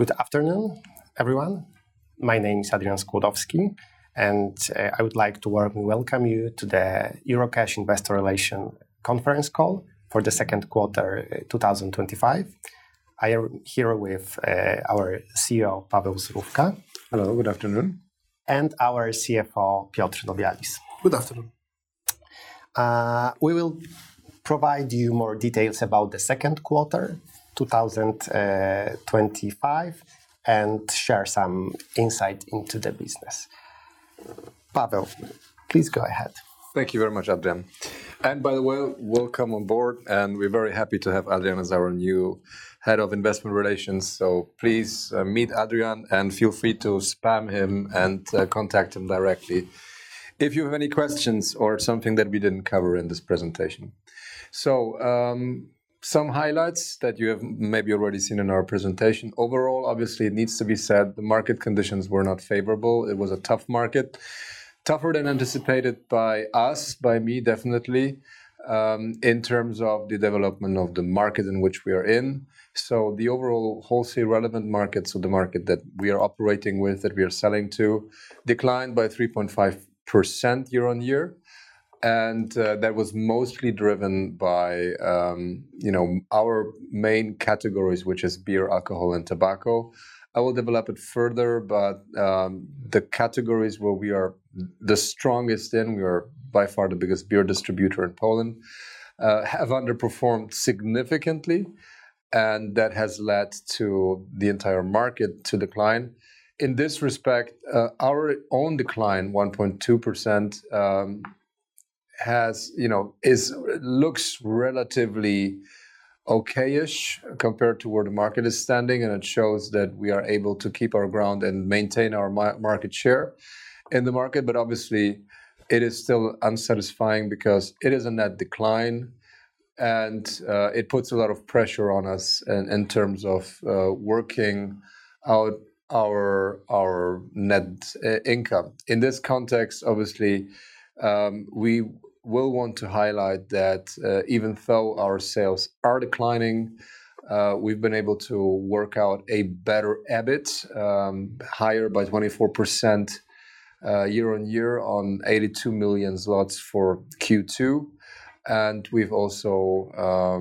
Good afternoon, everyone. My name is Adrian Skłodowski, and I would like to warmly welcome you to the Eurocash Investor Relations Conference Call for the Second Quarter 2025. I am here with our CEO, Paweł Surówka. Hello, good afternoon. Our CFO, Piotr Nowjalis. Good afternoon. We will provide you more details about the Second Quarter 2025 and share some insight into the business. Paweł, please go ahead. Thank you very much, Adrian. And by the way, welcome on board, and we're very happy to have Adrian as our new Head of Investor Relations. So please meet Adrian and feel free to spam him and contact him directly if you have any questions or something that we didn't cover in this presentation. So, some highlights that you have maybe already seen in our presentation. Overall, obviously, it needs to be said, the market conditions were not favorable. It was a tough market, tougher than anticipated by us, by me, definitely, in terms of the development of the market in which we are in. So the overall Wholesale Relevant Market, so the market that we are operating with, that we are selling to, declined by 3.5% year-on-year. And that was mostly driven by our main categories, which are beer, alcohol, and tobacco. I will develop it further, but the categories where we are the strongest in, we are by far the biggest beer distributor in Poland, have underperformed significantly, and that has led to the entire market to decline. In this respect, our own decline, 1.2%, looks relatively okay-ish compared to where the market is standing, and it shows that we are able to keep our ground and maintain our market share in the market. But obviously, it is still unsatisfying because it is a net decline, and it puts a lot of pressure on us in terms of working out our net income. In this context, obviously, we will want to highlight that even though our sales are declining, we've been able to work out a better EBIT, higher by 24% year-on-year on 82 million zlotys for Q2. We've also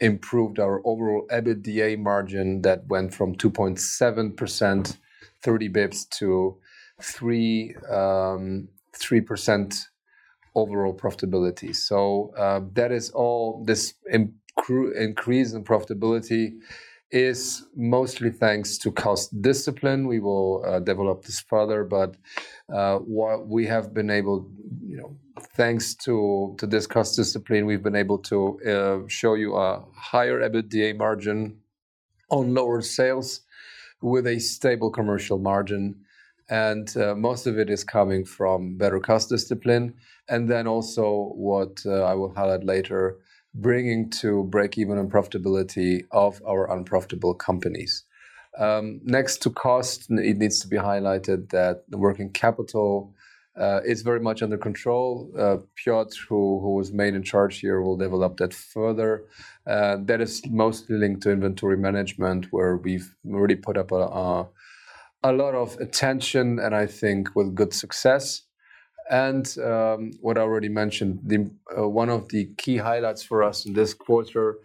improved our overall EBITDA margin that went from 2.7%, 30 basis points, to 3% overall profitability. So that is all. This increase in profitability is mostly thanks to cost discipline. We will develop this further, but what we have been able, thanks to this cost discipline, we've been able to show you a higher EBITDA margin on lower sales with a stable commercial margin. Most of it is coming from better cost discipline. Then also what I will highlight later, bringing to break-even and profitability of our unprofitable companies. Next to cost, it needs to be highlighted that the working capital is very much under control. Piotr, who was made in charge here, will develop that further. That is mostly linked to inventory management, where we've already paid a lot of attention, and I think with good success. What I already mentioned, one of the key highlights for us in this quarter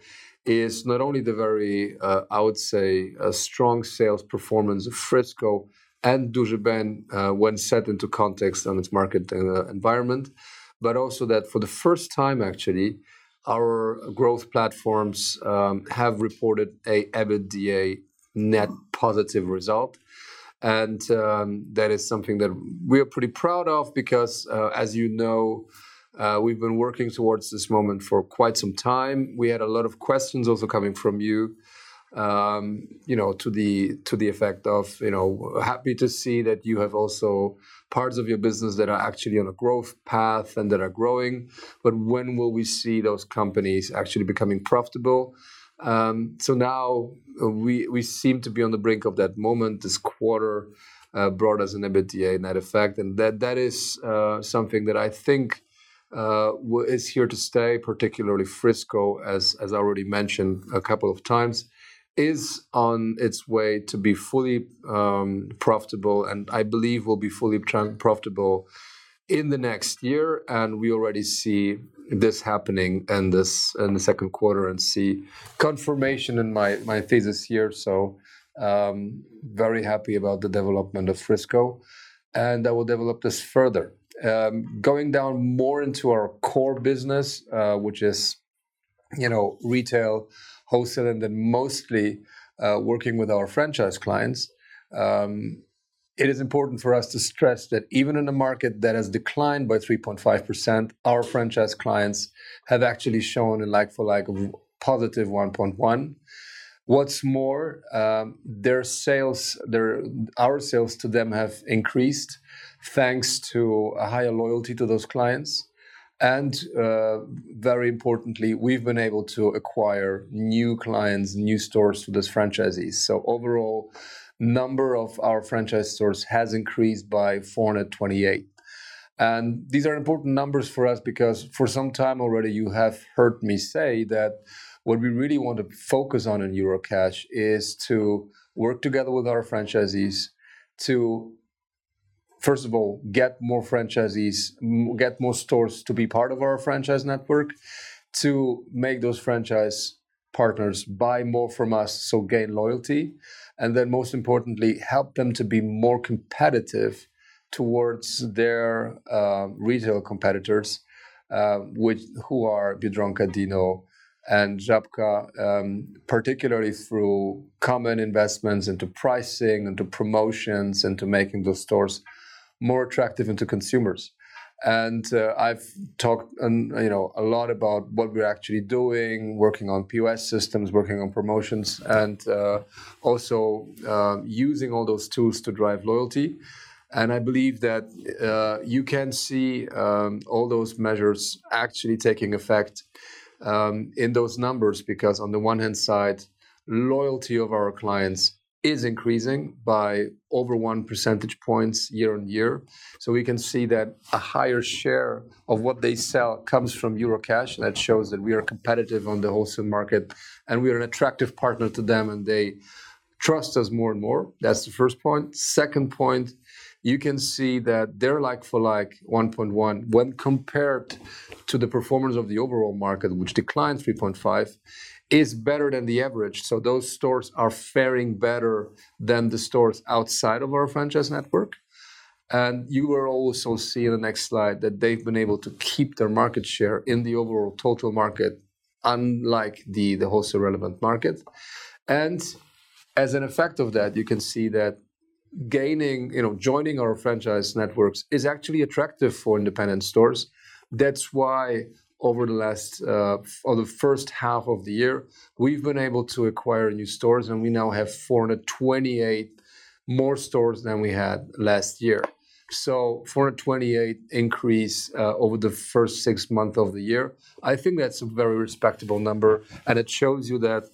is not only the very, I would say, strong sales performance of Frisco and Duży Ben when set into context on its market environment, but also that for the first time, actually, our growth platforms have reported an EBITDA net positive result. That is something that we are pretty proud of because, as you know, we've been working towards this moment for quite some time. We had a lot of questions also coming from you to the effect of, happy to see that you have also parts of your business that are actually on a growth path and that are growing. But when will we see those companies actually becoming profitable? Now we seem to be on the brink of that moment. This quarter brought us an EBITDA net effect. And that is something that I think is here to stay, particularly Frisco, as I already mentioned a couple of times, is on its way to be fully profitable and I believe will be fully profitable in the next year. And we already see this happening in the second quarter and see confirmation in my thesis here. So very happy about the development of Frisco. And I will develop this further. Going down more into our core business, which is Retail, Wholesale, and then mostly working with our franchise clients, it is important for us to stress that even in a market that has declined by 3.5%, our franchise clients have actually shown a like-for-like of positive 1.1%. What's more, our sales to them have increased thanks to a higher loyalty to those clients. Very importantly, we've been able to acquire new clients, new stores for those franchisees. Overall, the number of our franchise stores has increased by 428. These are important numbers for us because for some time already, you have heard me say that what we really want to focus on in Eurocash is to work together with our franchisees to, first of all, get more franchisees, get more stores to be part of our franchise network, to make those franchise partners buy more from us, so gain loyalty. Then most importantly, help them to be more competitive towards their retail competitors, which are Biedronka, Dino, and Żabka, particularly through common investments into pricing, into promotions, and to making those stores more attractive to consumers. And I've talked a lot about what we're actually doing, working on POS systems, working on promotions, and also using all those tools to drive loyalty. And I believe that you can see all those measures actually taking effect in those numbers because on the one hand side, loyalty of our clients is increasing by over one percentage point year-on-year. So we can see that a higher share of what they sell comes from Eurocash. That shows that we are competitive on the wholesale market and we are an attractive partner to them and they trust us more and more. That's the first point. Second point, you can see that their like-for-like 1.1% when compared to the performance of the overall market, which declined 3.5%, is better than the average. So those stores are faring better than the stores outside of our franchise network. You will also see in the next slide that they've been able to keep their market share in the overall total market, unlike the wholesale relevant market. As an effect of that, you can see that joining our franchise networks is actually attractive for independent stores. That's why over the last, or the first half of the year, we've been able to acquire new stores and we now have 428 more stores than we had last year. 428 increase over the first six months of the year. I think that's a very respectable number. It shows you that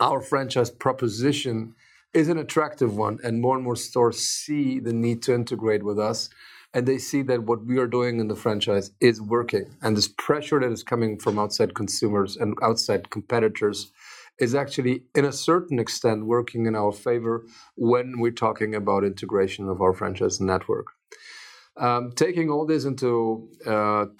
our franchise proposition is an attractive one and more and more stores see the need to integrate with us. They see that what we are doing in the franchise is working. And this pressure that is coming from outside consumers and outside competitors is actually, in a certain extent, working in our favor when we're talking about integration of our franchise network. Taking all this together,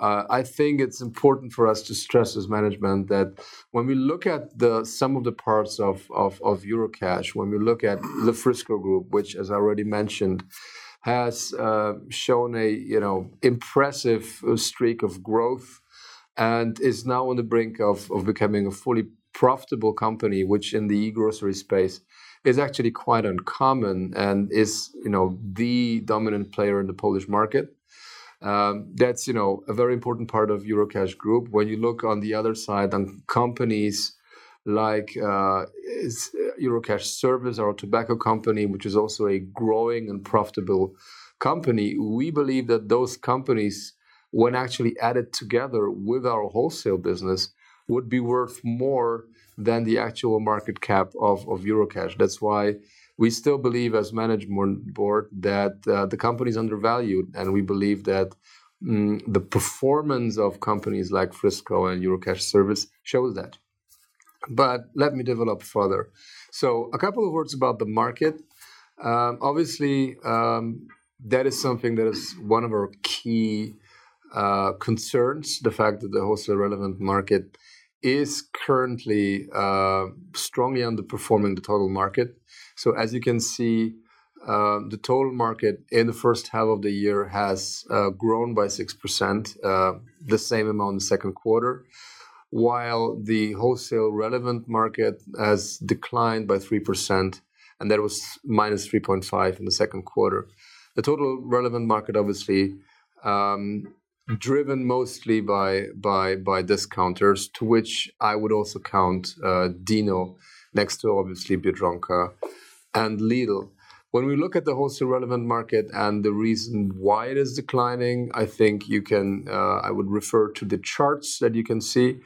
I think it's important for us to stress as management that when we look at some of the parts of Eurocash, when we look at the Frisco Group, which, as I already mentioned, has shown an impressive streak of growth and is now on the brink of becoming a fully profitable company, which in the e-grocery space is actually quite uncommon and is the dominant player in the Polish market. That's a very important part of Eurocash Group. When you look on the other side on companies like Eurocash Serwis, our tobacco company, which is also a growing and profitable company, we believe that those companies, when actually added together with our wholesale business, would be worth more than the actual market cap of Eurocash. That's why we still believe as Management Board that the company is undervalued. And we believe that the performance of companies like Frisco and Eurocash Serwis shows that. But let me develop further. So a couple of words about the market. Obviously, that is something that is one of our key concerns, the fact that the wholesale relevant market is currently strongly underperforming the total market. As you can see, the total market in the first half of the year has grown by 6%, the same amount in the second quarter, while the wholesale relevant market has declined by 3%, and that was -3.5% in the second quarter. The total relevant market, obviously, driven mostly by discounters, to which I would also count Dino next to obviously Biedronka and Lidl. When we look at the wholesale relevant market and the reason why it is declining, I think you can, I would refer to the charts that you can see.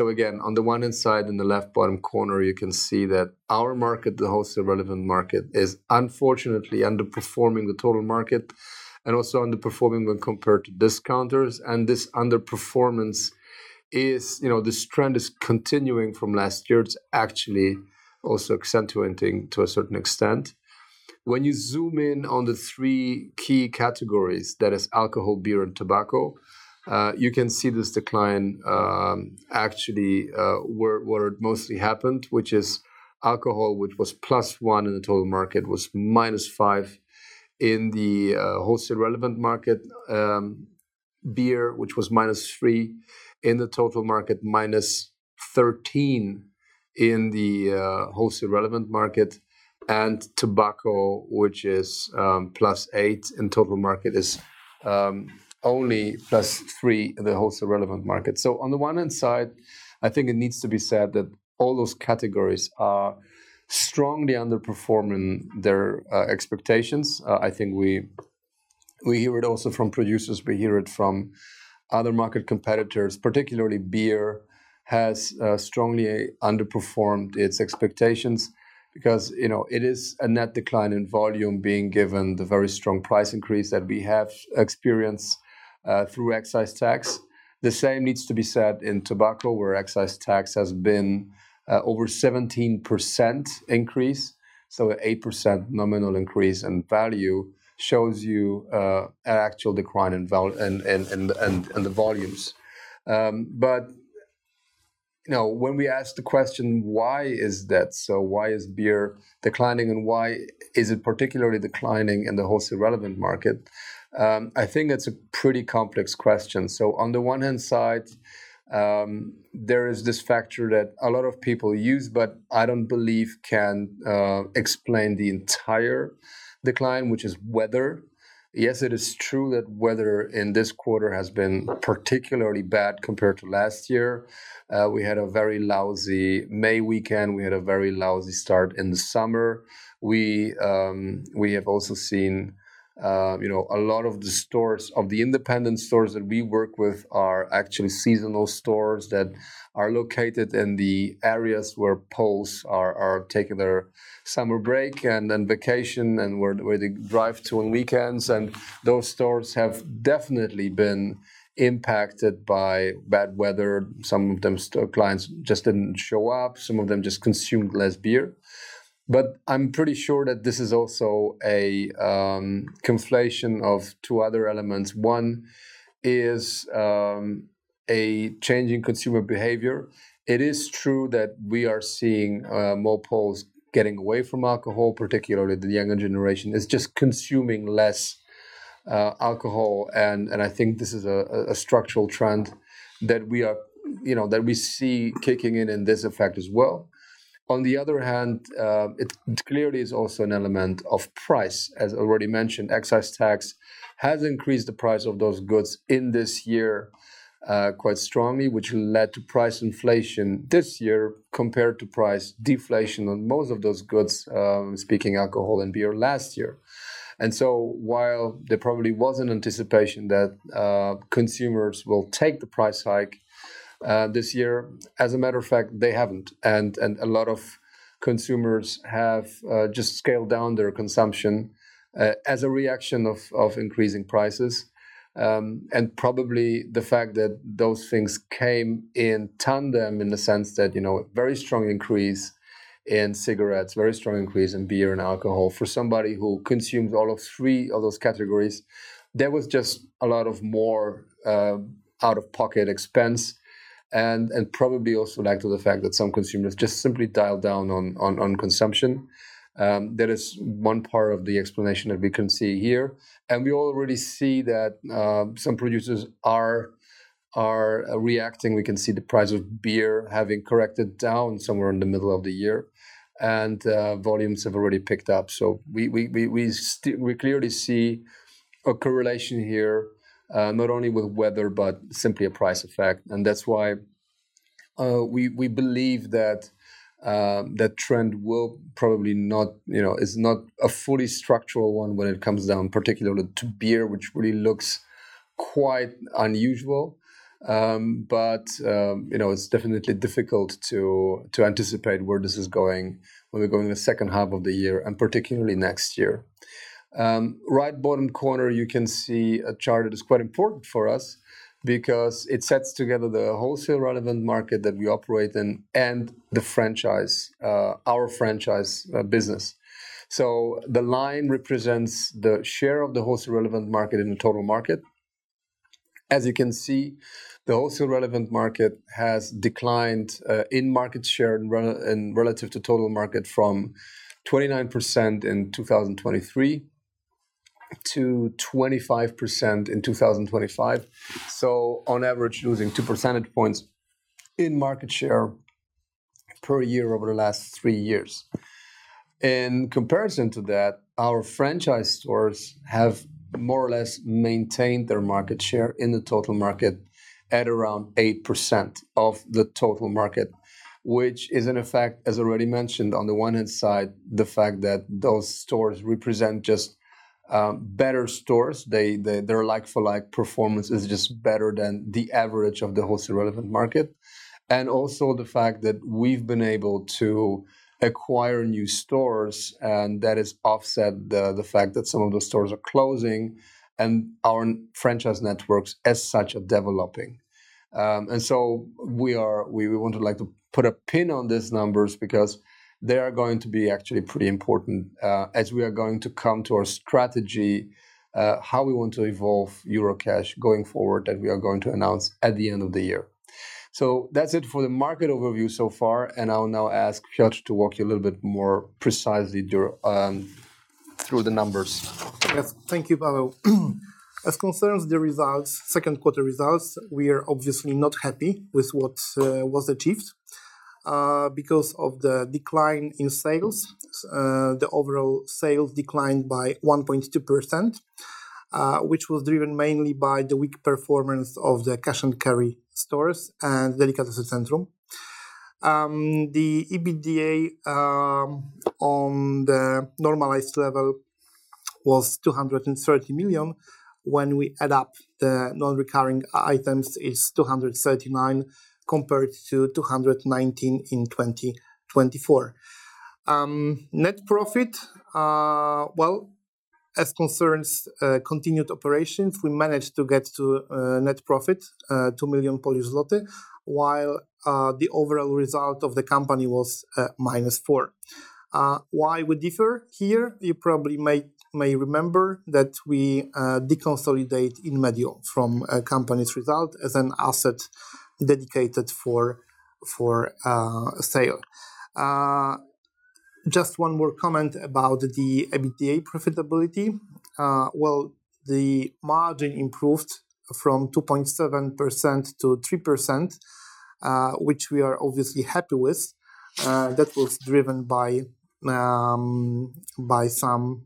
Again, on the one hand side, in the left bottom corner, you can see that our market, the wholesale relevant market, is unfortunately underperforming the total market and also underperforming when compared to discounters. This underperformance, this trend is continuing from last year. It's actually also accentuating to a certain extent. When you zoom in on the three key categories, that is alcohol, beer, and tobacco, you can see this decline, actually, where it mostly happened, which is alcohol, which was plus one in the total market, was minus five in the wholesale relevant market, beer, which was minus three in the total market, minus 13 in the wholesale relevant market, and tobacco, which is plus eight in total market, is only plus three in the wholesale relevant market. So on the one hand side, I think it needs to be said that all those categories are strongly underperforming their expectations. I think we hear it also from producers. We hear it from other market competitors, particularly beer has strongly underperformed its expectations because it is a net decline in volume being given the very strong price increase that we have experienced through excise tax. The same needs to be said in tobacco, where excise tax has been over 17% increase. So an 8% nominal increase in value shows you an actual decline in the volumes. But when we ask the question, why is that so? Why is beer declining and why is it particularly declining in the wholesale relevant market? I think it's a pretty complex question. So on the one hand side, there is this factor that a lot of people use, but I don't believe can explain the entire decline, which is weather. Yes, it is true that weather in this quarter has been particularly bad compared to last year. We had a very lousy May weekend. We had a very lousy start in the summer. We have also seen a lot of the stores, of the independent stores that we work with, are actually seasonal stores that are located in the areas where Poles are taking their summer break and then vacation and where they drive to on weekends, and those stores have definitely been impacted by bad weather. Some of them, clients just didn't show up. Some of them just consumed less beer, but I'm pretty sure that this is also a conflation of two other elements. One is a changing consumer behavior. It is true that we are seeing more Poles getting away from alcohol, particularly the younger generation. It's just consuming less alcohol. And I think this is a structural trend that we see kicking in in this effect as well. On the other hand, it clearly is also an element of price. As already mentioned, excise tax has increased the price of those goods in this year quite strongly, which led to price inflation this year compared to price deflation on most of those goods, speaking of alcohol and beer last year. And so while there probably was an anticipation that consumers will take the price hike this year, as a matter of fact, they haven't. And a lot of consumers have just scaled down their consumption as a reaction to increasing prices. And probably the fact that those things came in tandem in the sense that a very strong increase in cigarettes, a very strong increase in beer and alcohol for somebody who consumes all three of those categories, there was just a lot more out-of-pocket expense and probably also leads to the fact that some consumers just simply dialed down on consumption. That is one part of the explanation that we can see here, and we already see that some producers are reacting. We can see the price of beer having corrected down somewhere in the middle of the year, and volumes have already picked up. So we clearly see a correlation here, not only with weather, but simply a price effect, and that's why we believe that that trend will probably not, is not a fully structural one when it comes down, particularly to beer, which really looks quite unusual. But it's definitely difficult to anticipate where this is going when we're going to the second half of the year and particularly next year. Right bottom corner, you can see a chart that is quite important for us because it sets together the wholesale relevant market that we operate in and the franchise, our franchise business. So the line represents the share of the wholesale relevant market in the total market. As you can see, the wholesale relevant market has declined in market share relative to total market from 29% in 2023 to 25% in 2025. So on average, losing 2 percentage points in market share per year over the last three years. In comparison to that, our franchise stores have more or less maintained their market share in the total market at around 8% of the total market, which is an effect, as already mentioned, on the one hand side, the fact that those stores represent just better stores. Their like-for-like performance is just better than the average of the wholesale relevant market. And also the fact that we've been able to acquire new stores and that has offset the fact that some of those stores are closing and our franchise networks as such are developing. And so we would like to put a pin on these numbers because they are going to be actually pretty important as we are going to come to our strategy, how we want to evolve Eurocash going forward that we are going to announce at the end of the year. So that's it for the market overview so far. And I'll now ask Piotr to walk you a little bit more precisely through the numbers. Yes, thank you, Paweł. As concerns the results, second quarter results, we are obviously not happy with what was achieved because of the decline in sales. The overall sales declined by 1.2%, which was driven mainly by the weak performance of the Cash & Carry stores and Delikatesy Centrum. The EBITDA on the normalized level was 230 million. When we add up the non-recurring items, it's 239 million compared to 219 million in 2024. Net profit, well, as concerns continued operations, we managed to get to net profit, 2 million Polish zloty, while the overall result of the company was minus 4 million. Why we differ here? You probably may remember that we de-consolidate Inmedio from a company's result as an asset dedicated for sale. Just one more comment about the EBITDA profitability. The margin improved from 2.7% to 3%, which we are obviously happy with. That was driven by some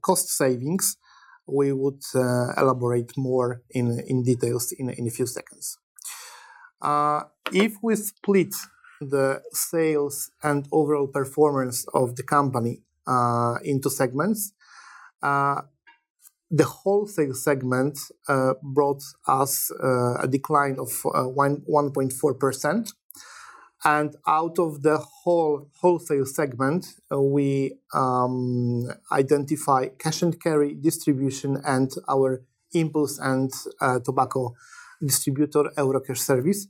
cost savings. We would elaborate more in details in a few seconds. If we split the sales and overall performance of the company into segments, the Wholesale segment brought us a decline of 1.4%, and out of the Wholesale segment, we identify Cash & Carry distribution and our impulse and tobacco distributor, Eurocash Serwis,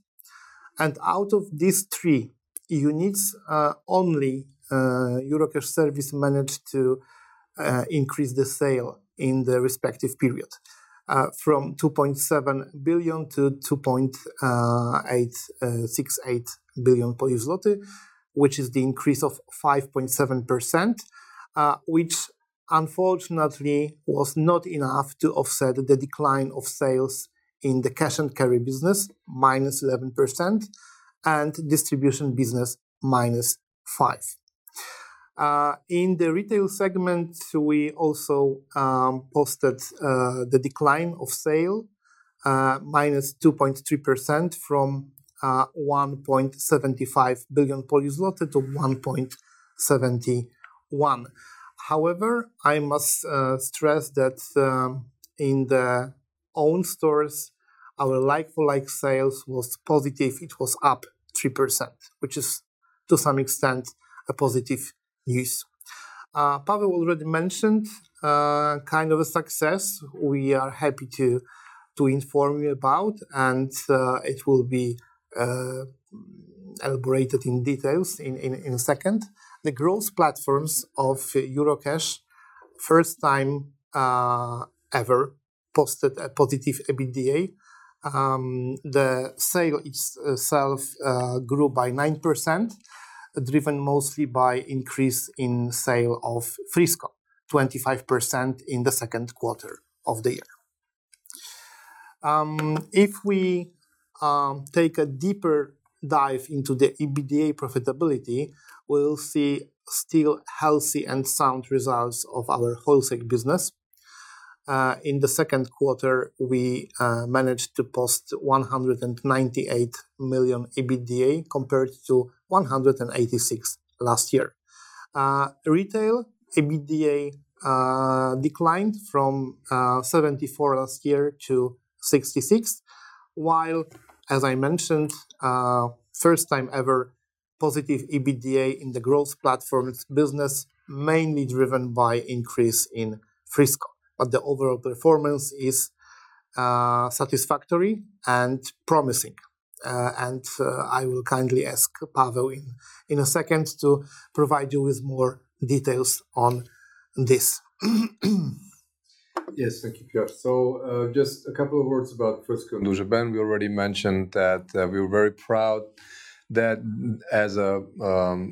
and out of these three units, only Eurocash Serwis managed to increase the sales in the respective period from 2.7 billion to 2.868 billion, which is the increase of 5.7%, which unfortunately was not enough to offset the decline of sales in the Cash & Carry business, -11%, and Distribution business, -5%. In the Retail segment, we also posted the decline of sales, -2.3% from 1.75 billion to 1.71 billion. However, I must stress that in our own stores, our like-for-like sales was positive. It was up 3%, which is to some extent a positive news. Paweł already mentioned kind of a success we are happy to inform you about, and it will be elaborated in details in a second. The Growth Platforms of Eurocash first time ever posted a positive EBITDA. The sale itself grew by 9%, driven mostly by increase in sale of Frisco, 25% in the second quarter of the year. If we take a deeper dive into the EBITDA profitability, we'll see still healthy and sound results of our wholesale business. In the second quarter, we managed to post 198 million EBITDA compared to 186 million last year. Retail EBITDA declined from 74 million last year to 66 million, while, as I mentioned, first time ever positive EBITDA in the growth platforms business, mainly driven by increase in Frisco. But the overall performance is satisfactory and promising. And I will kindly ask Paweł in a second to provide you with more details on this. Yes, thank you, Piotr. So just a couple of words about Frisco. Duży Ben, we already mentioned that we were very proud that as a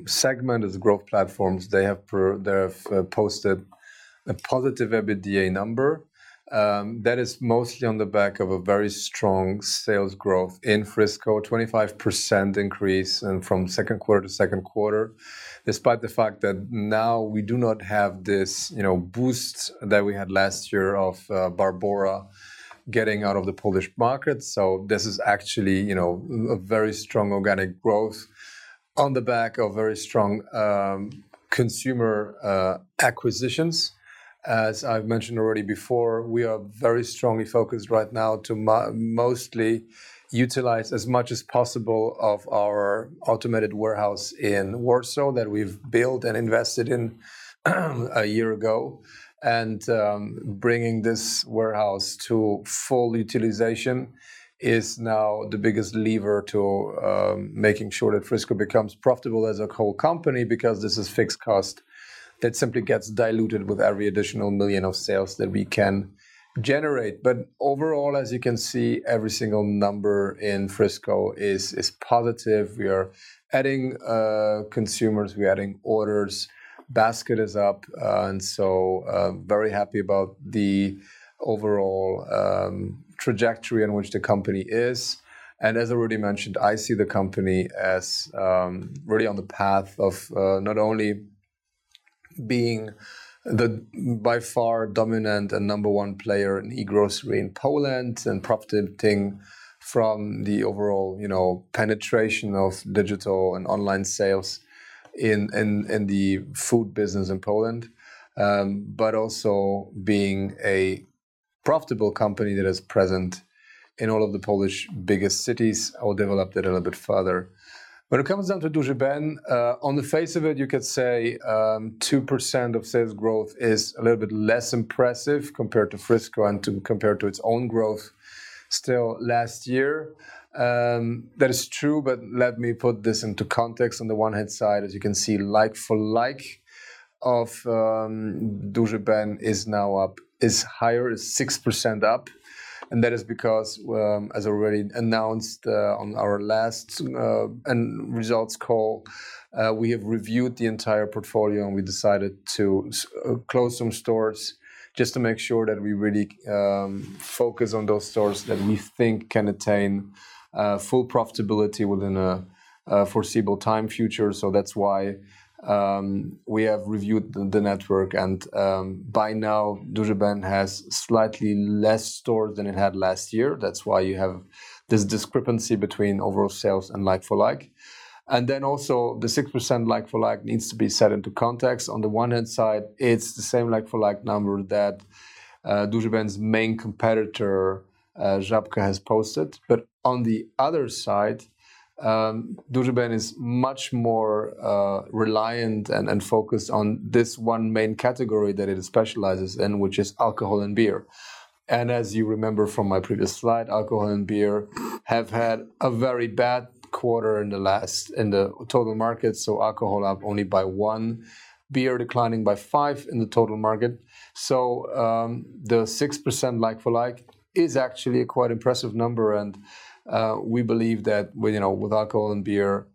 segment of the growth platforms, they have posted a positive EBITDA number. That is mostly on the back of a very strong sales growth in Frisco, 25% increase from second quarter to second quarter, despite the fact that now we do not have this boost that we had last year of Barbora getting out of the Polish market. So this is actually a very strong organic growth on the back of very strong consumer acquisitions. As I've mentioned already before, we are very strongly focused right now to mostly utilize as much as possible of our automated warehouse in Warsaw that we've built and invested in a year ago. Bringing this warehouse to full utilization is now the biggest lever to making sure that Frisco becomes profitable as a whole company because this is fixed cost that simply gets diluted with every additional million of sales that we can generate. Overall, as you can see, every single number in Frisco is positive. We are adding consumers. We are adding orders. Basket is up. Very happy about the overall trajectory in which the company is. As already mentioned, I see the company as really on the path of not only being the by far dominant and number one player in e-grocery in Poland and profiting from the overall penetration of digital and online sales in the food business in Poland, but also being a profitable company that is present in all of the Polish biggest cities or developed it a little bit further. When it comes down to Duży Ben, on the face of it, you could say 2% of sales growth is a little bit less impressive compared to Frisco and compared to its own growth still last year. That is true, but let me put this into context. On the one hand side, as you can see, like-for-like of Duży Ben is now up, is higher, is 6% up. And that is because, as already announced on our last results call, we have reviewed the entire portfolio and we decided to close some stores just to make sure that we really focus on those stores that we think can attain full profitability within a foreseeable time future. So that's why we have reviewed the network. And by now, Duży Ben has slightly less stores than it had last year. That's why you have this discrepancy between overall sales and like-for-like. And then also the 6% like-for-like needs to be set into context. On the one hand side, it's the same like-for-like number that Duży Ben's main competitor, Żabka, has posted. But on the other side, Duży Ben is much more reliant and focused on this one main category that it specializes in, which is alcohol and beer. And as you remember from my previous slide, alcohol and beer have had a very bad quarter in the last in the total market. So alcohol up only by 1%, beer declining by 5% in the total market. So the 6% like-for-like is actually a quite impressive number. And we believe that with alcohol and beer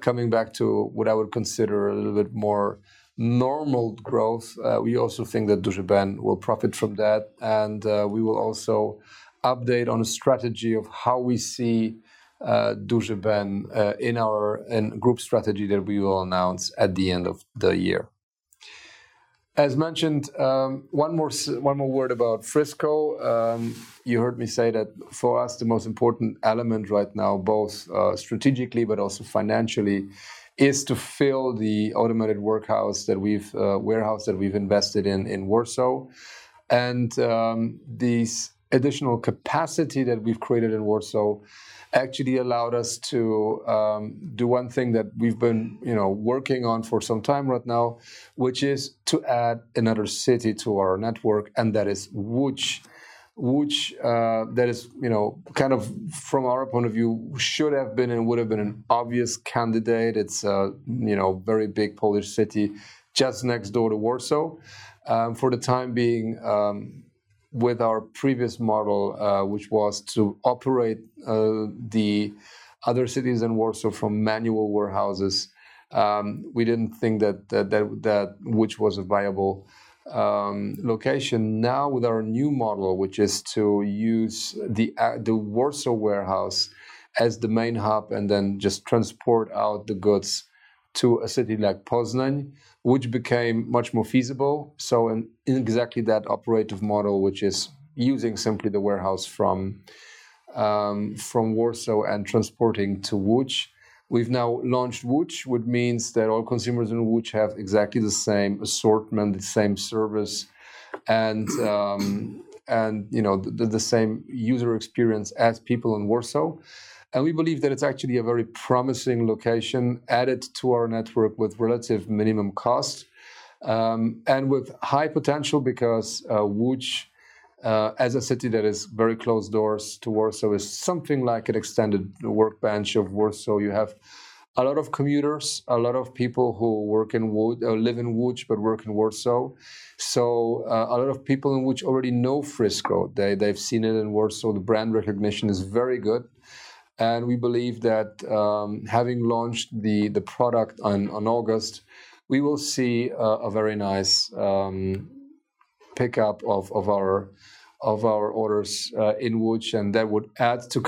coming back to what I would consider a little bit more normal growth, we also think that Duży Ben will profit from that. And we will also update on a strategy of how we see Duży Ben in our group strategy that we will announce at the end of the year. As mentioned, one more word about Frisco. You heard me say that for us, the most important element right now, both strategically, but also financially, is to fill the automated warehouse that we've invested in Warsaw. And this additional capacity that we've created in Warsaw actually allowed us to do one thing that we've been working on for some time right now, which is to add another city to our network, and that is Łódź. Łódź, that is kind of from our point of view, should have been and would have been an obvious candidate. It's a very big Polish city just next door to Warsaw. For the time being, with our previous model, which was to operate in the other cities from Warsaw manual warehouses, we didn't think that Łódź was a viable location. Now with our new model, which is to use the Warsaw warehouse as the main hub and then just transport out the goods to a city like Poznań, Łódź became much more feasible, so in exactly that operating model, which is using simply the warehouse from Warsaw and transporting to Łódź, we've now launched Łódź, which means that all consumers in Łódź have exactly the same assortment, the same service, and the same user experience as people in Warsaw. We believe that it's actually a very promising location added to our network with relatively minimum cost and with high potential because Łódź, as a city that is very close to Warsaw, is something like an extended bedroom of Warsaw. You have a lot of commuters, a lot of people who work in Łódź, live in Łódź, but work in Warsaw. So a lot of people in Łódź already know Frisco. They've seen it in Warsaw. The brand recognition is very good. We believe that having launched the product in August, we will see a very nice pickup of our orders in Łódź. That would add to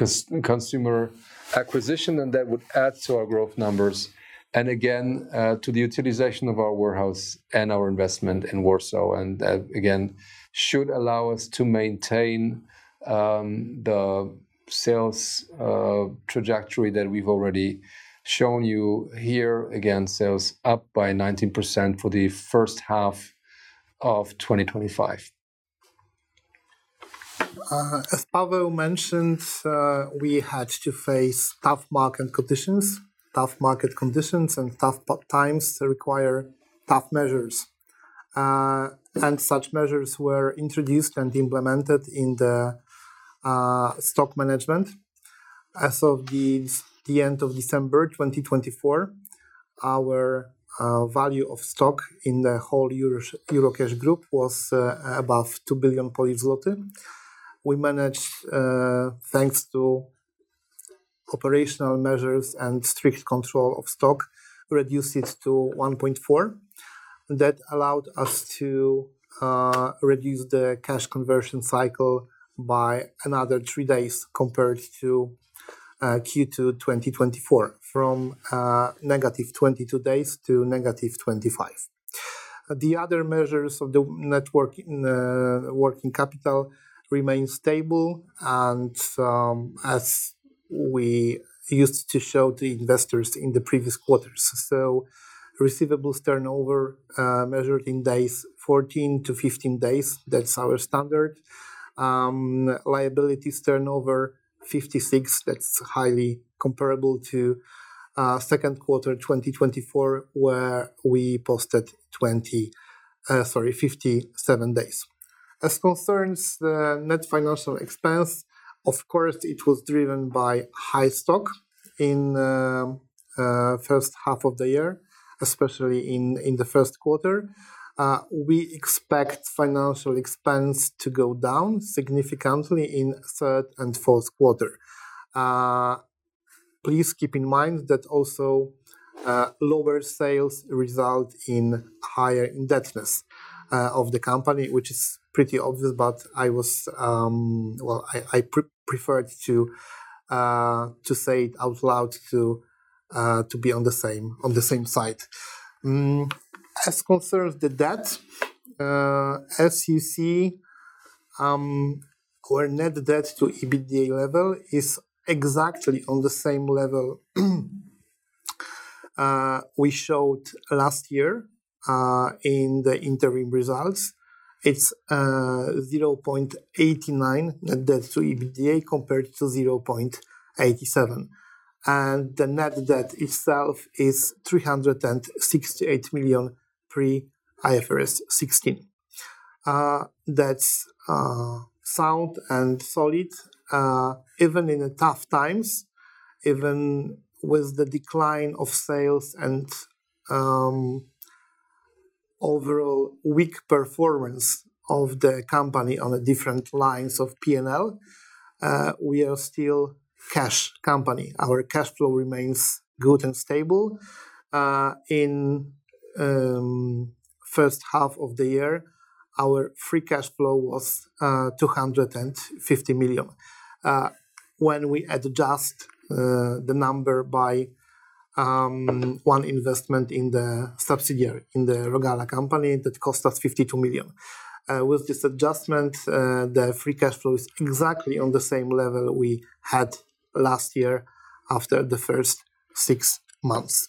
consumer acquisition and that would add to our growth numbers. Again, to the utilization of our warehouse and our investment in Warsaw. That again should allow us to maintain the sales trajectory that we've already shown you here. Again, sales up by 19% for the first half of 2025. As Paweł mentioned, we had to face tough market conditions. Tough market conditions and tough times require tough measures. Such measures were introduced and implemented in the stock management. As of the end of December 2024, our value of stock in the whole Eurocash Group was above 2 billion Polish zloty. We managed, thanks to operational measures and strict control of stock, to reduce it to 1.4 billion. That allowed us to reduce the cash conversion cycle by another three days compared to Q2 2024, from negative 22 days to negative 25. The other measures of the working capital remained stable and as we used to show to investors in the previous quarters. So receivables turnover measured in days 14 to 15 days, that's our standard. Liabilities turnover 56, that's highly comparable to second quarter 2024, where we posted 57 days. As concerns the net financial expense, of course, it was driven by high stock in the first half of the year, especially in the first quarter. We expect financial expense to go down significantly in third and fourth quarter. Please keep in mind that also lower sales result in higher indebtedness of the company, which is pretty obvious, but I was, well, I preferred to say it out loud to be on the same side. As concerns the debt, as you see, our net debt to EBITDA level is exactly on the same level we showed last year in the interim results. It's 0.89 net debt to EBITDA compared to 0.87. And the net debt itself is 368 million pre-IFRS 16. That's sound and solid, even in tough times, even with the decline of sales and overall weak performance of the company on different lines of P&L. We are still a cash company. Our cash flow remains good and stable. In the first half of the year, our free cash flow was 250 million. When we adjust the number by one investment in the subsidiary, in the Rogala company, that cost us 52 million. With this adjustment, the free cash flow is exactly on the same level we had last year after the first six months.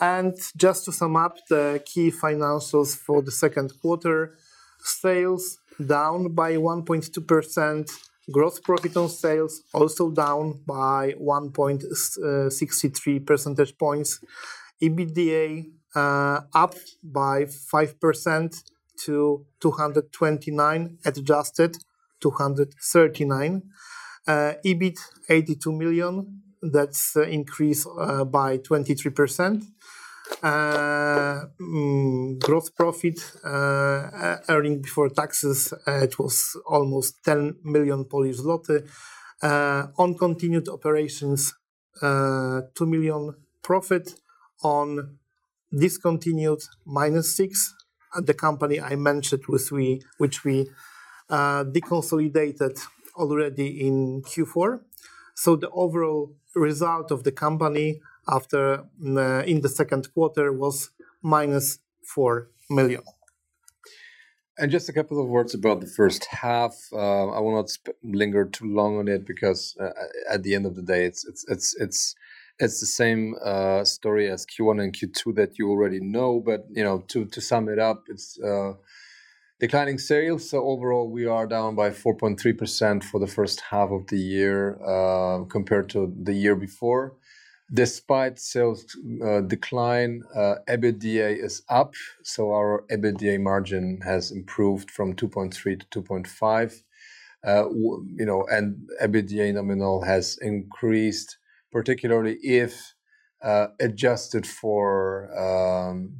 And just to sum up the key financials for the second quarter, sales down by 1.2%, gross profit on sales also down by 1.63 percentage points, EBITDA up by 5% to 229 million, adjusted 239 million, EBIT 82 million, that's increased by 23%. Gross profit Earnings before taxes, it was almost 10 million Polish zloty. On continued operations, two million profit. On discontinued, minus 6 million, the company I mentioned with which we deconsolidated already in Q4. The overall result of the company in the second quarter was minus 4 million. Just a couple of words about the first half. I will not linger too long on it because at the end of the day, it's the same story as Q1 and Q2 that you already know. To sum it up, it's declining sales. Overall, we are down by 4.3% for the first half of the year compared to the year before. Despite sales decline, EBITDA is up. Our EBITDA margin has improved from 2.3% to 2.5%. EBITDA nominal has increased, particularly if adjusted for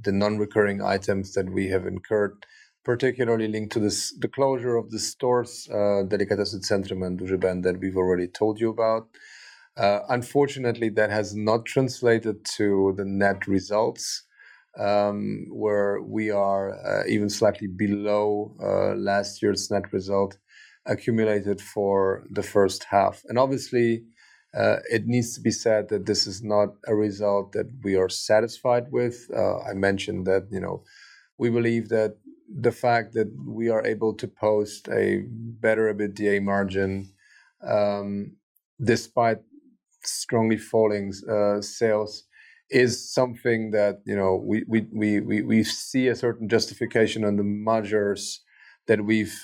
the non-recurring items that we have incurred, particularly linked to the closure of the stores, Delikatesy Centrum and Duży Ben that we've already told you about. Unfortunately, that has not translated to the net results where we are even slightly below last year's net result accumulated for the first half. Obviously, it needs to be said that this is not a result that we are satisfied with. I mentioned that we believe that the fact that we are able to post a better EBITDA margin despite strongly falling sales is something that we see a certain justification on the measures that we've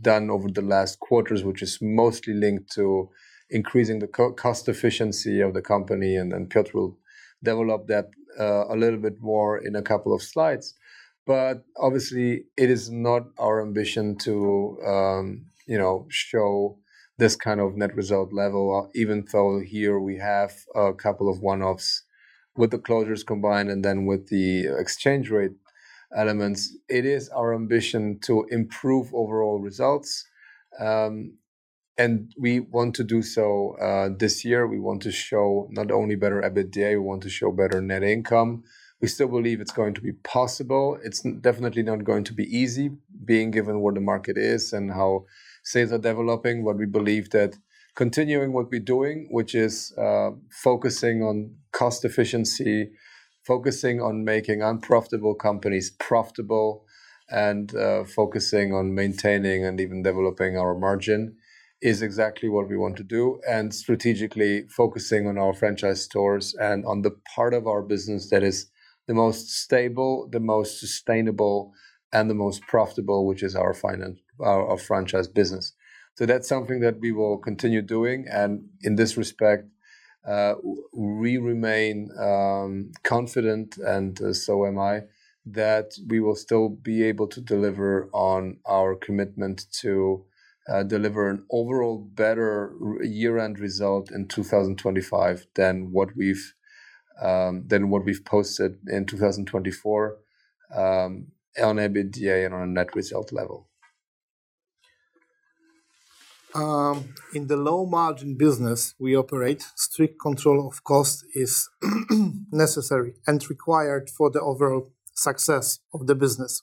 done over the last quarters, which is mostly linked to increasing the cost efficiency of the company. Then Piotr will develop that a little bit more in a couple of slides. But obviously, it is not our ambition to show this kind of net result level, even though here we have a couple of one-offs with the closures combined and then with the exchange rate elements. It is our ambition to improve overall results. And we want to do so this year. We want to show not only better EBITDA, we want to show better net income. We still believe it's going to be possible. It's definitely not going to be easy being given what the market is and how sales are developing, but we believe that continuing what we're doing, which is focusing on cost efficiency, focusing on making unprofitable companies profitable, and focusing on maintaining and even developing our margin is exactly what we want to do. And strategically focusing on our franchise stores and on the part of our business that is the most stable, the most sustainable, and the most profitable, which is our franchise business. So that's something that we will continue doing. And in this respect, we remain confident, and so am I, that we will still be able to deliver on our commitment to deliver an overall better year-end result in 2025 than what we've posted in 2024 on EBITDA and on a net result level. In the low-margin business we operate, strict control of cost is necessary and required for the overall success of the business.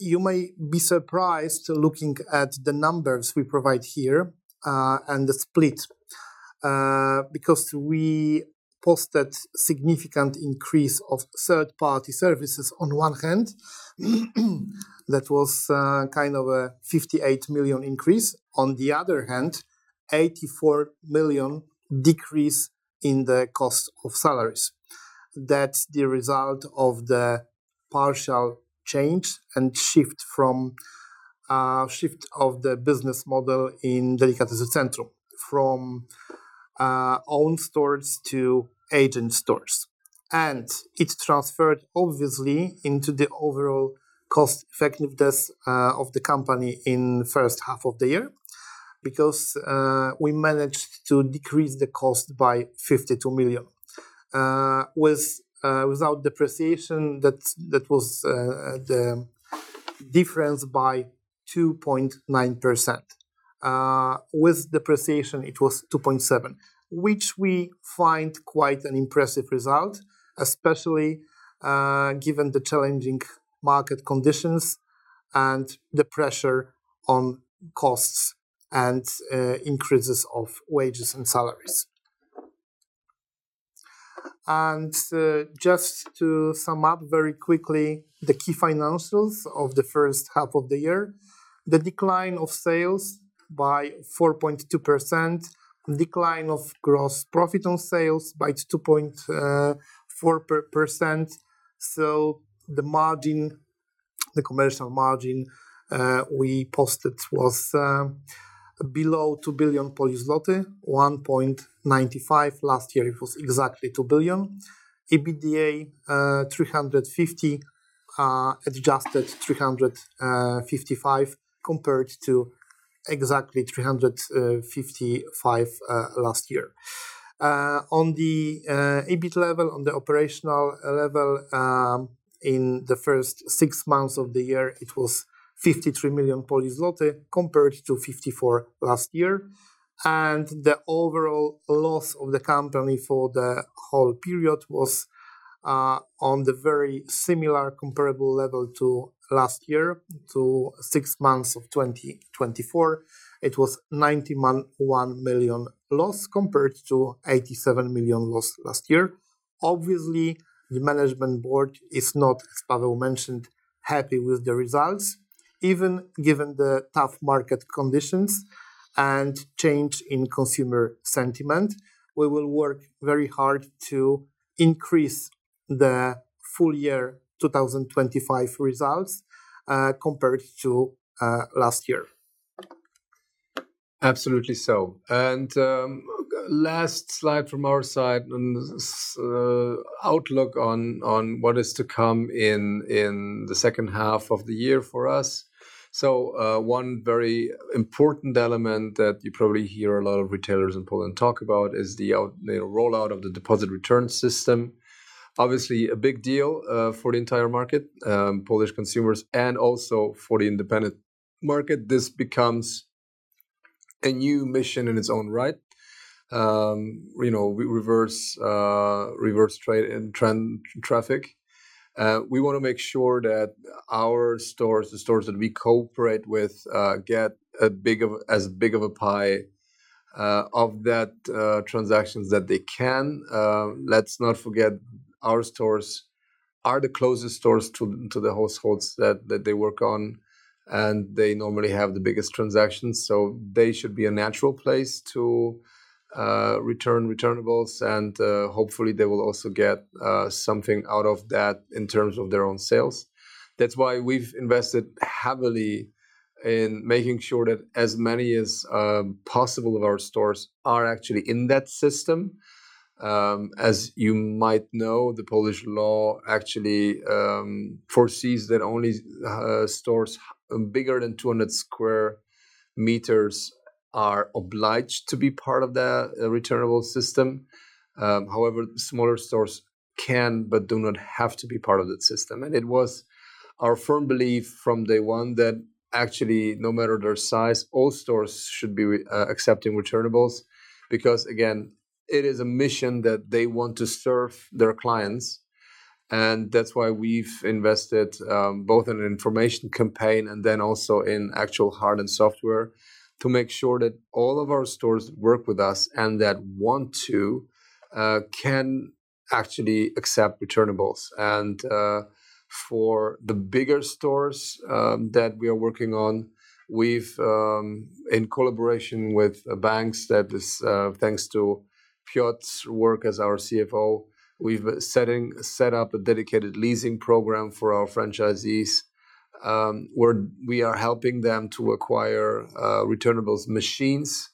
You may be surprised looking at the numbers we provide here and the split because we posted significant increase of third-party services on one hand. That was kind of a 58 million increase. On the other hand, 84 million decrease in the cost of salaries. That's the result of the partial change and shift of the business model in Delikatesy Centrum, from owned stores to agent stores, and it transferred, obviously, into the overall cost effectiveness of the company in the first half of the year because we managed to decrease the cost by 52 million. Without depreciation, that was the difference by 2.9%. With depreciation, it was 2.7, which we find quite an impressive result, especially given the challenging market conditions and the pressure on costs and increases of wages and salaries, and just to sum up very quickly, the key financials of the first half of the year, the decline of sales by 4.2%, the decline of gross profit on sales by 2.4%, so the margin, the commercial margin we posted was below 2 billion zloty, zloty 1.95 billion. Last year, it was exactly 2 billion. 350 million, adjusted 355 million compared to exactly 355 million last year. On the EBIT level, on the operational level, in the first six months of the year, it was 53 million compared to 54 million last year. And the overall loss of the company for the whole period was on the very similar comparable level to last year, to six months of 2024. It was 91 million loss compared to 87 million loss last year. Obviously, the Management Board is not, as Paweł mentioned, happy with the results. Even given the tough market conditions and change in consumer sentiment, we will work very hard to increase the full year 2025 results compared to last year. Absolutely so. And last slide from our side, an outlook on what is to come in the second half of the year for us. One very important element that you probably hear a lot of retailers in Poland talk about is the rollout of the deposit return system. Obviously, a big deal for the entire market, Polish consumers, and also for the independent market. This becomes a new mission in its own right. We reverse trade and trend traffic. We want to make sure that our stores, the stores that we cooperate with, get as big of a pie of that transactions that they can. Let's not forget our stores are the closest stores to the households that they work on, and they normally have the biggest transactions. They should be a natural place to return returnables, and hopefully, they will also get something out of that in terms of their own sales. That's why we've invested heavily in making sure that as many as possible of our stores are actually in that system. As you might know, the Polish law actually foresees that only stores bigger than 200 sq m are obliged to be part of the returnable system. However, smaller stores can but do not have to be part of that system. And it was our firm belief from day one that actually, no matter their size, all stores should be accepting returnables because, again, it is a mission that they want to serve their clients. And that's why we've invested both in an information campaign and then also in actual hardware and software to make sure that all of our stores work with us and that want to can actually accept returnables. For the bigger stores that we are working on, we've, in collaboration with banks, that is, thanks to Piotr's work as our CFO, we've set up a dedicated leasing program for our franchisees where we are helping them to acquire returnables machines.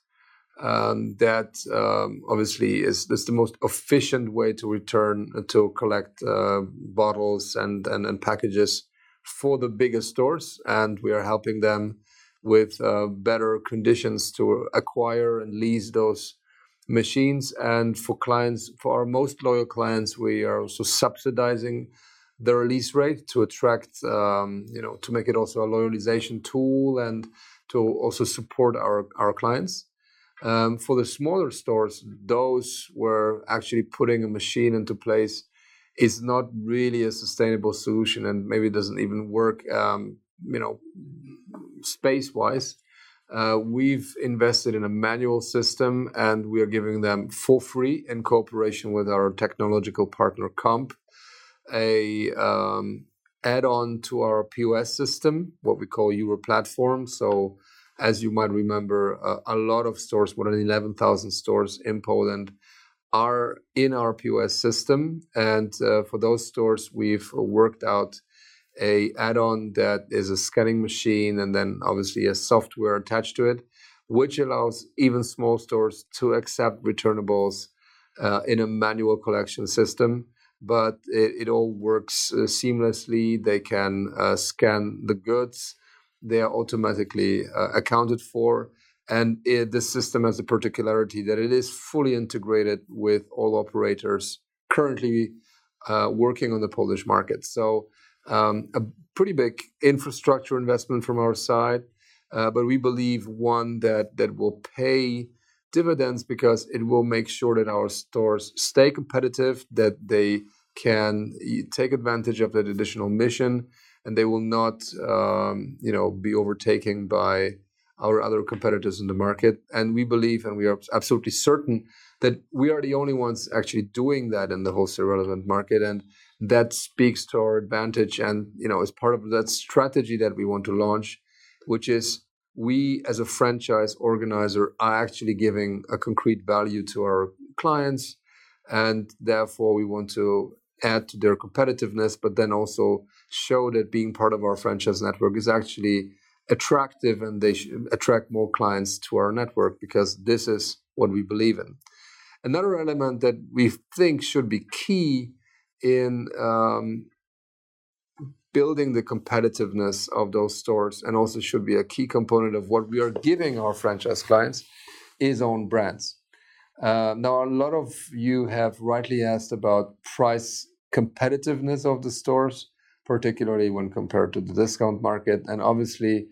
That obviously is the most efficient way to return to collect bottles and packages for the biggest stores. We are helping them with better conditions to acquire and lease those machines. For clients, for our most loyal clients, we are also subsidizing their lease rate to attract, to make it also a loyalization tool and to also support our clients. For the smaller stores, those where actually putting a machine into place is not really a sustainable solution and maybe doesn't even work space-wise. We've invested in a manual system, and we are giving them for free in cooperation with our technological partner, Comp, an add-on to our POS system, what we call Europlatform. So as you might remember, a lot of stores, more than 11,000 stores in Poland, are in our POS system. And for those stores, we've worked out an add-on that is a scanning machine and then obviously a software attached to it, which allows even small stores to accept returnables in a manual collection system. But it all works seamlessly. They can scan the goods. They are automatically accounted for. And the system has a particularity that it is fully integrated with all operators currently working on the Polish market. So a pretty big infrastructure investment from our side, but we believe one that will pay dividends because it will make sure that our stores stay competitive, that they can take advantage of that additional mission, and they will not be overtaken by our other competitors in the market. And we believe, and we are absolutely certain that we are the only ones actually doing that in the wholesale relevant market. And that speaks to our advantage and is part of that strategy that we want to launch, which is we, as a franchise organizer, are actually giving a concrete value to our clients. And therefore, we want to add to their competitiveness, but then also show that being part of our franchise network is actually attractive and they attract more clients to our network because this is what we believe in. Another element that we think should be key in building the competitiveness of those stores and also should be a key component of what we are giving our franchise clients is own brands. Now, a lot of you have rightly asked about price competitiveness of the stores, particularly when compared to the discount market. And obviously,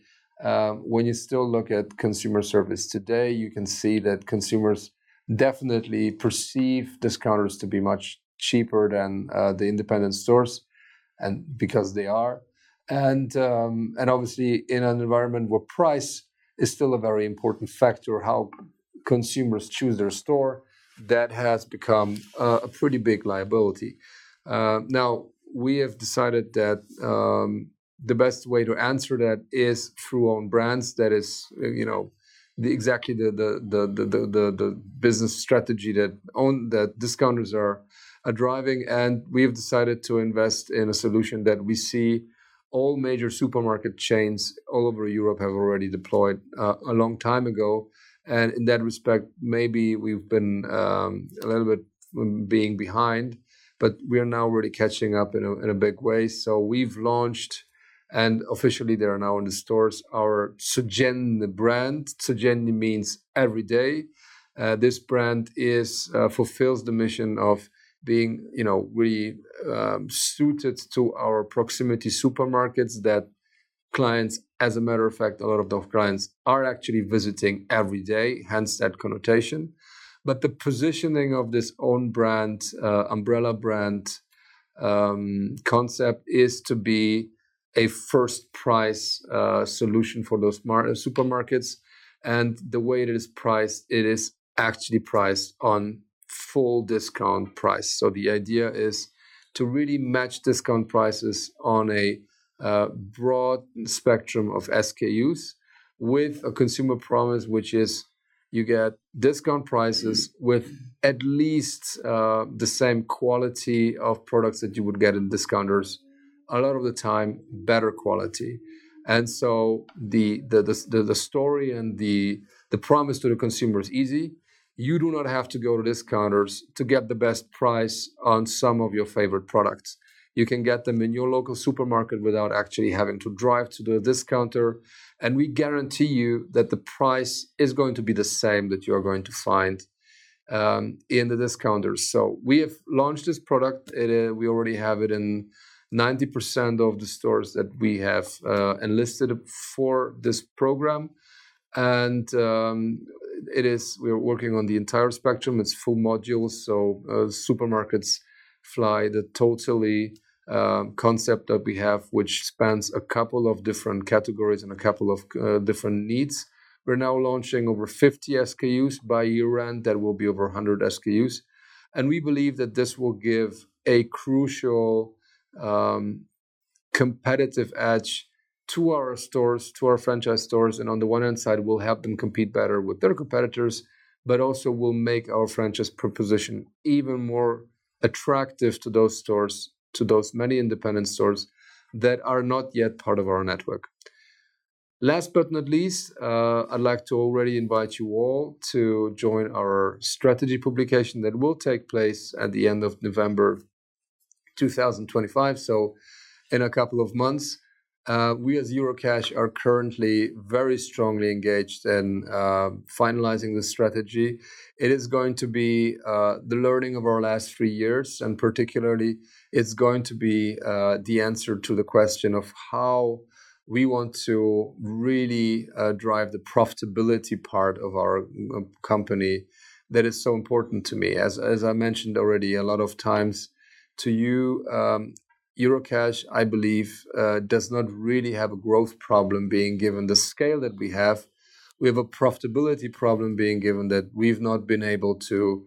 when you still look at consumer service today, you can see that consumers definitely perceive discounters to be much cheaper than the independent stores because they are, and obviously, in an environment where price is still a very important factor, how consumers choose their store, that has become a pretty big liability. Now, we have decided that the best way to answer that is through own brands. That is exactly the business strategy that discounters are driving. We have decided to invest in a solution that we see all major supermarket chains all over Europe have already deployed a long time ago. In that respect, maybe we've been a little bit being behind, but we are now already catching up in a big way. We've launched, and officially, they are now in the stores, our Codziennie brand. Codziennie means every day. This brand fulfills the mission of being really suited to our proximity supermarkets that clients, as a matter of fact, a lot of those clients are actually visiting every day, hence that connotation, but the positioning of this own brand, umbrella brand concept is to be a first-price solution for those supermarkets. The way it is priced, it is actually priced on full discount price. So the idea is to really match discount prices on a broad spectrum of SKUs with a consumer promise, which is you get discount prices with at least the same quality of products that you would get in discounters, a lot of the time better quality. And so the story and the promise to the consumer is easy. You do not have to go to discounters to get the best price on some of your favorite products. You can get them in your local supermarket without actually having to drive to the discounter. And we guarantee you that the price is going to be the same that you are going to find in the discounters. So we have launched this product. We already have it in 90% of the stores that we have enlisted for this program. And we are working on the entire spectrum. It's full modules. Supermarkets like the total concept that we have, which spans a couple of different categories and a couple of different needs. We're now launching over 50 SKUs by year-end. That will be over 100 SKUs. We believe that this will give a crucial competitive edge to our stores, to our franchise stores. On the one hand side, we'll help them compete better with their competitors, but also we'll make our franchise proposition even more attractive to those stores, to those many independent stores that are not yet part of our network. Last but not least, I'd like to already invite you all to join our strategy publication that will take place at the end of November 2025. In a couple of months, we as Eurocash are currently very strongly engaged in finalizing the strategy. It is going to be the learning of our last three years. Particularly, it's going to be the answer to the question of how we want to really drive the profitability part of our company that is so important to me. As I mentioned already a lot of times to you, Eurocash, I believe, does not really have a growth problem being given the scale that we have. We have a profitability problem being given that we've not been able to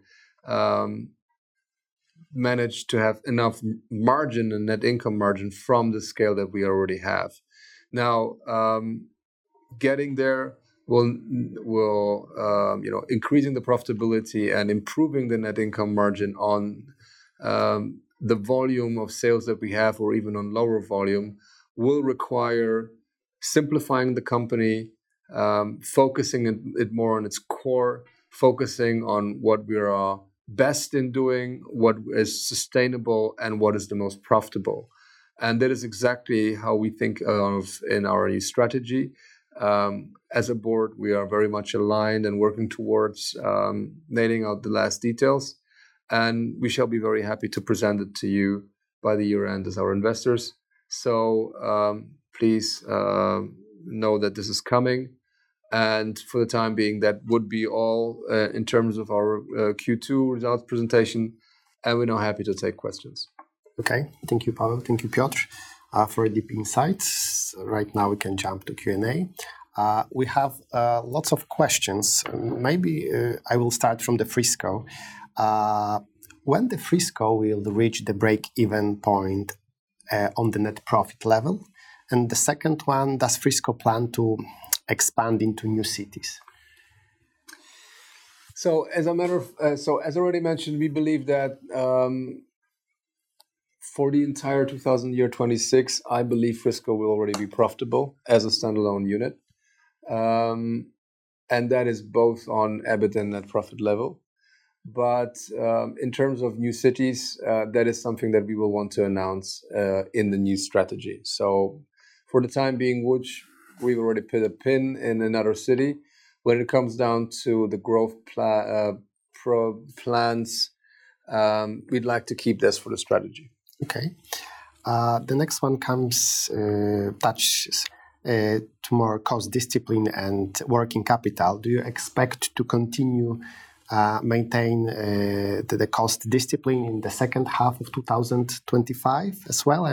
manage to have enough margin and net income margin from the scale that we already have. Now, getting there, increasing the profitability and improving the net income margin on the volume of sales that we have, or even on lower volume, will require simplifying the company, focusing it more on its core, focusing on what we are best in doing, what is sustainable, and what is the most profitable. That is exactly how we think of in our strategy. As a board, we are very much aligned and working towards nailing down the last details. And we shall be very happy to present it to you by the year-end as our investors. So please know that this is coming. And for the time being, that would be all in terms of our Q2 results presentation. And we're now happy to take questions. Okay. Thank you, Paweł. Thank you, Piotr, for the deep insights. Right now, we can jump to Q&A. We have lots of questions. Maybe I will start from the Frisco. When the Frisco will reach the break-even point on the net profit level? And the second one, does Frisco plan to expand into new cities? So as I already mentioned, we believe that for the entire 2026, I believe Frisco will already be profitable as a standalone unit. That is both on EBIT and net profit level. In terms of new cities, that is something that we will want to announce in the new strategy. For the time being, we've already put a pin in another city. When it comes down to the growth plans, we'd like to keep this for the strategy. Okay. The next one comes to more cost discipline and working capital. Do you expect to continue to maintain the cost discipline in the second half of 2025 as well?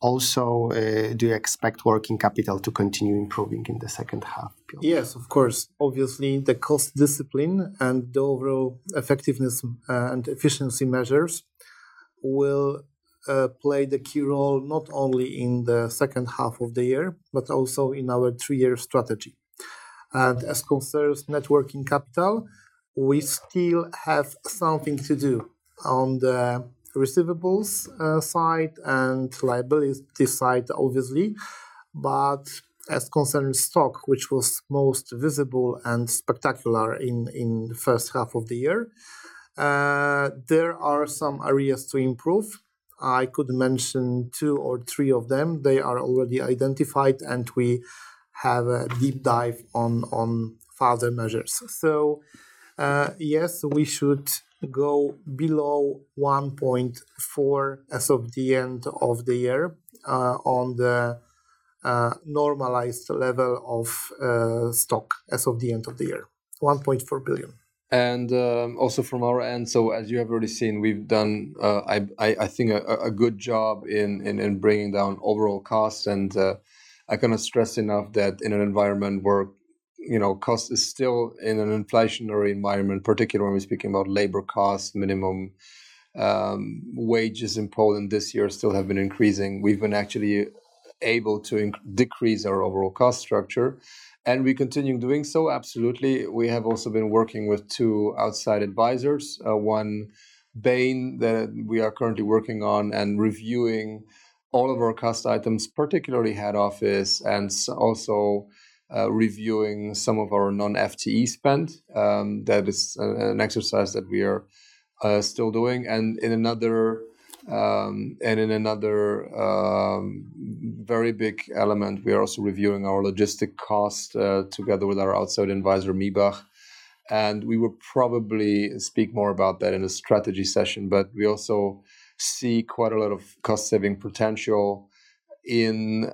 Also, do you expect working capital to continue improving in the second half? Yes, of course. Obviously, the cost discipline and the overall effectiveness and efficiency measures will play the key role not only in the second half of the year, but also in our three-year strategy. As concerns working capital, we still have something to do on the receivables side and liability side, obviously. As concerns stock, which was most visible and spectacular in the first half of the year, there are some areas to improve. I could mention two or three of them. They are already identified, and we have a deep dive on further measures. Yes, we should go below 1.4 as of the end of the year on the normalized level of stock as of the end of the year, 1.4 billion. Also from our end, so as you have already seen, we've done, I think, a good job in bringing down overall costs. I cannot stress enough that in an environment where cost is still in an inflationary environment, particularly when we're speaking about labor costs, minimum wages in Poland this year still have been increasing. We've been actually able to decrease our overall cost structure. And we continue doing so, absolutely. We have also been working with two outside advisors, one Bain that we are currently working on and reviewing all of our cost items, particularly head office, and also reviewing some of our non-FTE spend. That is an exercise that we are still doing. And in another very big element, we are also reviewing our logistics cost together with our outside advisor, Miebach. And we will probably speak more about that in a strategy session, but we also see quite a lot of cost-saving potential in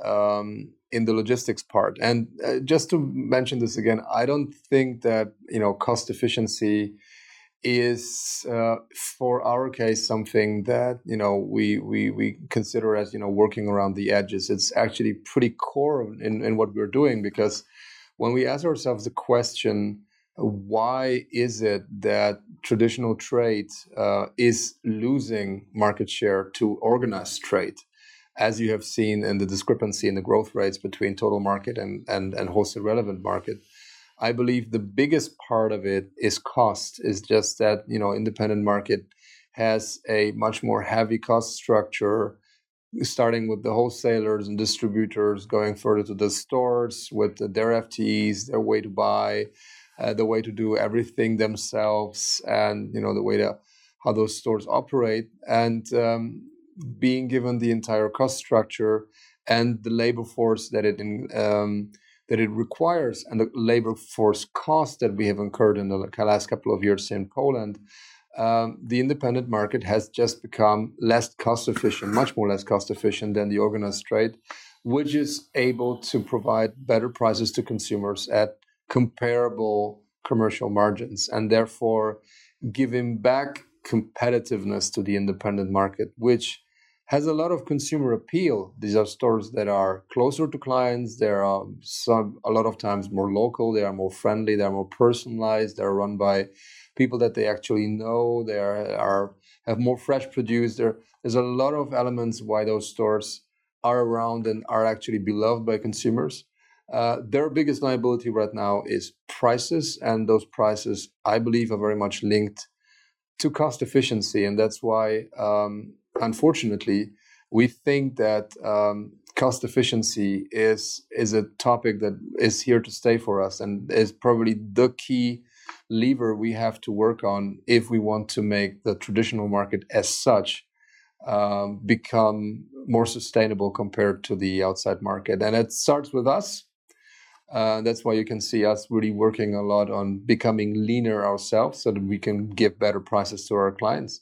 the logistics part. And just to mention this again, I don't think that cost efficiency is, for our case, something that we consider as working around the edges. It's actually pretty core in what we're doing because when we ask ourselves the question, why is it that traditional trade is losing market share to organized trade, as you have seen in the discrepancy in the growth rates between total market and wholesale relevant market? I believe the biggest part of it is cost, is just that independent market has a much more heavy cost structure, starting with the wholesalers and distributors going further to the stores with their FTEs, their way to buy, the way to do everything themselves, and the way how those stores operate. And being given the entire cost structure and the labor force that it requires and the labor force cost that we have incurred in the last couple of years in Poland, the independent market has just become less cost-efficient, much more less cost-efficient than the organized trade, which is able to provide better prices to consumers at comparable commercial margins and therefore giving back competitiveness to the independent market, which has a lot of consumer appeal. These are stores that are closer to clients. They are a lot of times more local. They are more friendly. They are more personalized. They are run by people that they actually know. They have more fresh produce. There's a lot of elements why those stores are around and are actually beloved by consumers. Their biggest liability right now is prices. And those prices, I believe, are very much linked to cost efficiency. That's why, unfortunately, we think that cost efficiency is a topic that is here to stay for us and is probably the key lever we have to work on if we want to make the traditional market as such become more sustainable compared to the outside market. It starts with us. That's why you can see us really working a lot on becoming leaner ourselves so that we can give better prices to our clients.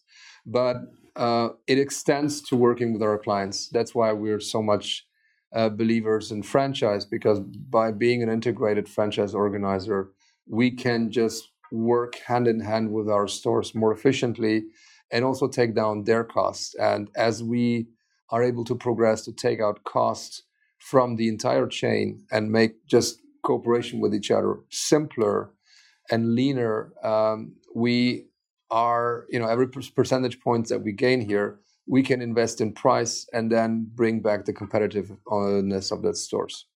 It extends to working with our clients. That's why we're so much believers in franchise because by being an integrated franchise organizer, we can just work hand in hand with our stores more efficiently and also take down their costs. As we are able to progress to take out costs from the entire chain and make just cooperation with each other simpler and leaner, every percentage point that we gain here, we can invest in price and then bring back the competitiveness of those stores.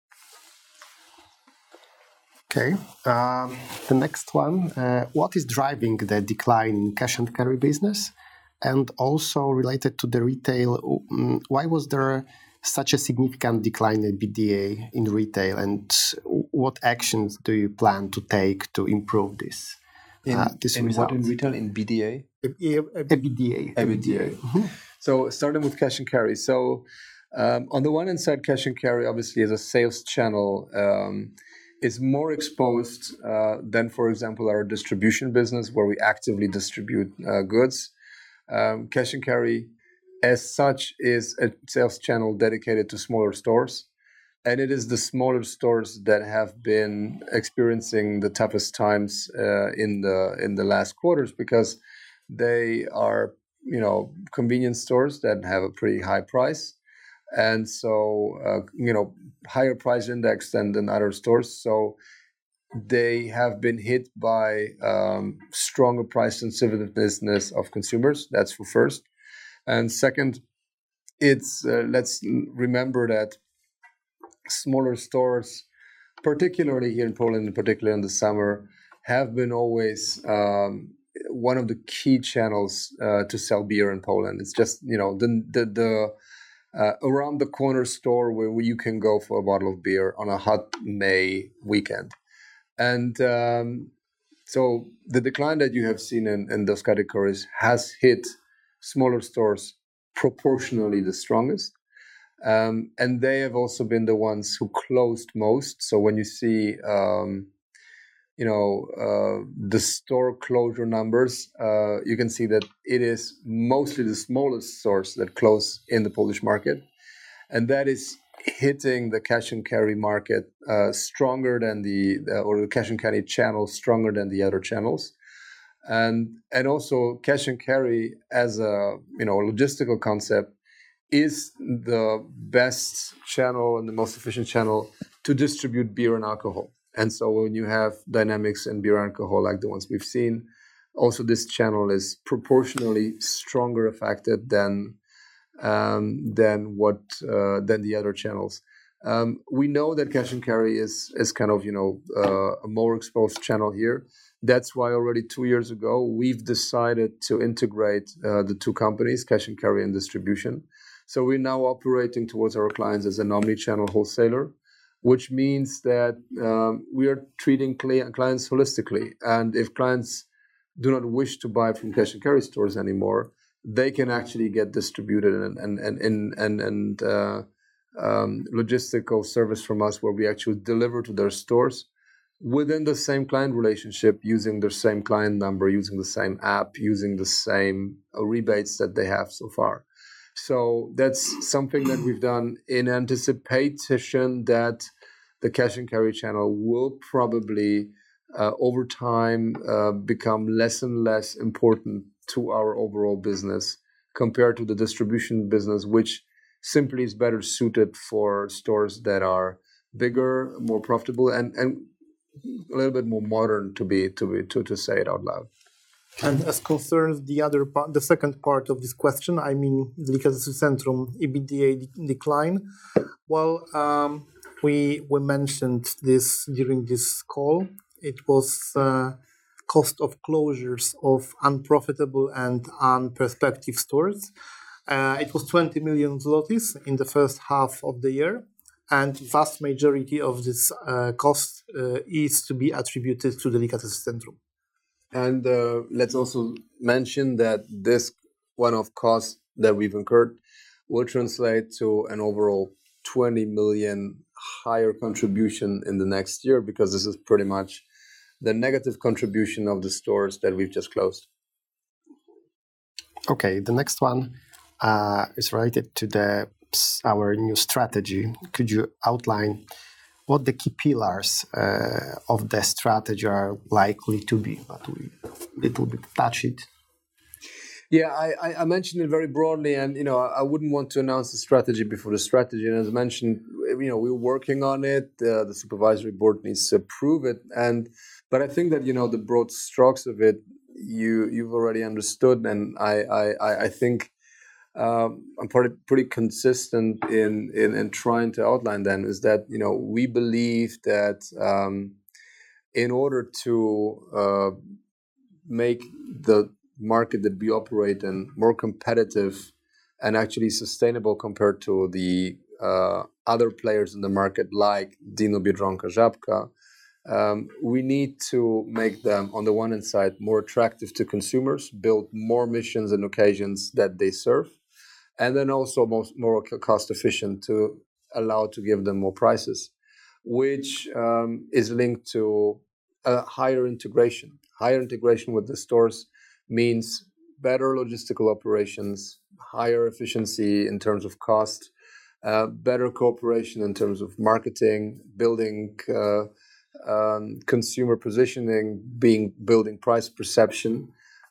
Okay. The next one, what is driving the decline in Cash & Carry business? And also related to the Retail, why was there such a significant decline in EBITDA in Retail? And what actions do you plan to take to improve this? What in Retail in EBITDA? EBITDA. Starting with Cash & Carry. On the one hand side, Cash & Carry obviously as a sales channel is more exposed than, for example, our Distribution business where we actively distribute goods. Cash & Carry as such is a sales channel dedicated to smaller stores. It is the smaller stores that have been experiencing the toughest times in the last quarters because they are convenience stores that have a pretty high price. So higher price index than other stores. So they have been hit by stronger price sensitivity business of consumers. That's for first. Second, let's remember that smaller stores, particularly here in Poland, and particularly in the summer, have been always one of the key channels to sell beer in Poland. It's just around the corner store where you can go for a bottle of beer on a hot May weekend. So the decline that you have seen in those categories has hit smaller stores proportionally the strongest. They have also been the ones who closed most. So when you see the store closure numbers, you can see that it is mostly the smallest stores that closed in the Polish market. And that is hitting the Cash & Carry market stronger than the Cash & Carry channel stronger than the other channels. And also Cash & Carry as a logistical concept is the best channel and the most efficient channel to distribute beer and alcohol. And so when you have dynamics in beer and alcohol like the ones we've seen, also this channel is proportionally stronger affected than the other channels. We know that Cash & Carry is kind of a more exposed channel here. That's why already two years ago, we've decided to integrate the two companies, Cash & Carry and Distribution. So we're now operating towards our clients as a omnichannel wholesaler, which means that we are treating clients holistically. If clients do not wish to buy from Cash & Carry stores anymore, they can actually get distributed and logistical service from us where we actually deliver to their stores within the same client relationship using their same client number, using the same app, using the same rebates that they have so far. So that's something that we've done in anticipation that the Cash & Carry channel will probably over time become less and less important to our overall business compared to the Distribution business, which simply is better suited for stores that are bigger, more profitable, and a little bit more modern to say it out loud. As concerns the second part of this question, I mean, because of the EBITDA decline, well, we mentioned this during this call. It was cost of closures of unprofitable and unprospective stores. It was 20 million zlotys in the first half of the year. The vast majority of this cost is to be attributed to the Delikatesy Centrum. Let's also mention that this one-off cost that we've incurred will translate to an overall 20 million higher contribution in the next year because this is pretty much the negative contribution of the stores that we've just closed. Okay. The next one is related to our new strategy. Could you outline what the key pillars of the strategy are likely to be? We'll touch it. Yeah, I mentioned it very broadly. I wouldn't want to announce the strategy before the strategy. As mentioned, we're working on it. The Supervisory Board needs to approve it. I think that the broad strokes of it, you've already understood. I think I'm pretty consistent in trying to outline them is that we believe that in order to make the market that we operate in more competitive and actually sustainable compared to the other players in the market like Dino, Biedronka, Żabka, we need to make them on the one hand side more attractive to consumers, build more missions and occasions that they serve, and then also more cost-efficient to allow to give them more prices, which is linked to higher integration. Higher integration with the stores means better logistical operations, higher efficiency in terms of cost, better cooperation in terms of marketing, building consumer positioning, building price perception,